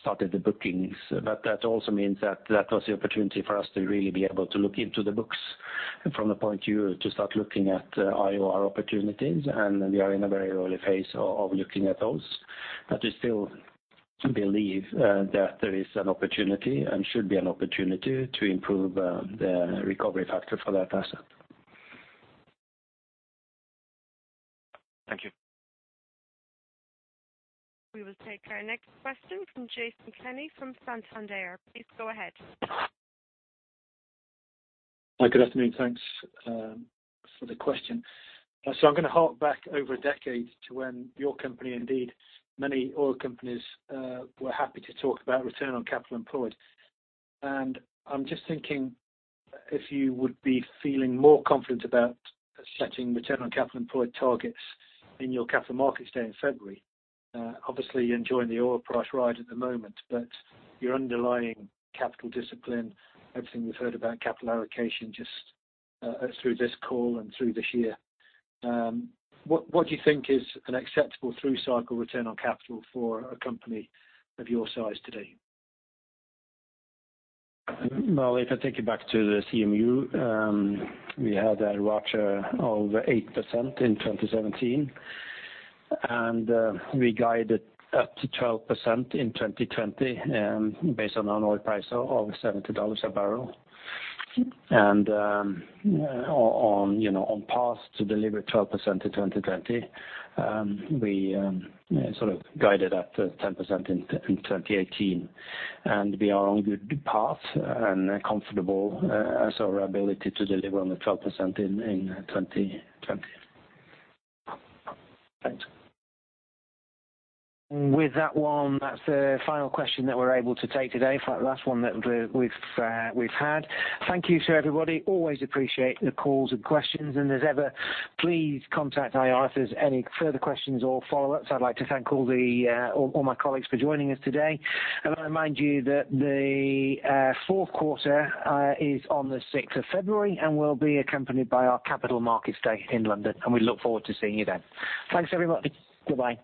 started the bookings. That also means that was the opportunity for us to really be able to look into the books from the point of view to start looking at IOR opportunities, and we are in a very early phase of looking at those. We still believe that there is an opportunity and should be an opportunity to improve the recovery factor for that asset. Thank you. We will take our next question from Jason Kenney from Santander. Please go ahead. Hi, good afternoon. Thanks for the question. I'm going to hark back over a decade to when your company, indeed many oil companies, were happy to talk about return on capital employed. I'm just thinking if you would be feeling more confident about setting return on capital employed targets in your Capital Markets Day in February. Obviously, you're enjoying the oil price ride at the moment, your underlying capital discipline, everything we've heard about capital allocation just through this call and through this year. What do you think is an acceptable through-cycle return on capital for a company of your size today? Well, if I take you back to the CMU, we had a ROACE of 8% in 2017, we guided up to 12% in 2020 based on an oil price of $70 a barrel. On path to deliver 12% in 2020. We sort of guided at 10% in 2018. We are on good path and are comfortable as our ability to deliver on the 12% in 2020. Thanks. With that one, that's the final question that we're able to take today. Last one that we've had. Thank you to everybody. Always appreciate the calls and questions, and as ever, please contact IR if there's any further questions or follow-ups. I'd like to thank all my colleagues for joining us today. Remind you that the fourth quarter is on the 6th of February and will be accompanied by our Capital Markets Day in London, and we look forward to seeing you then. Thanks, everybody. Goodbye.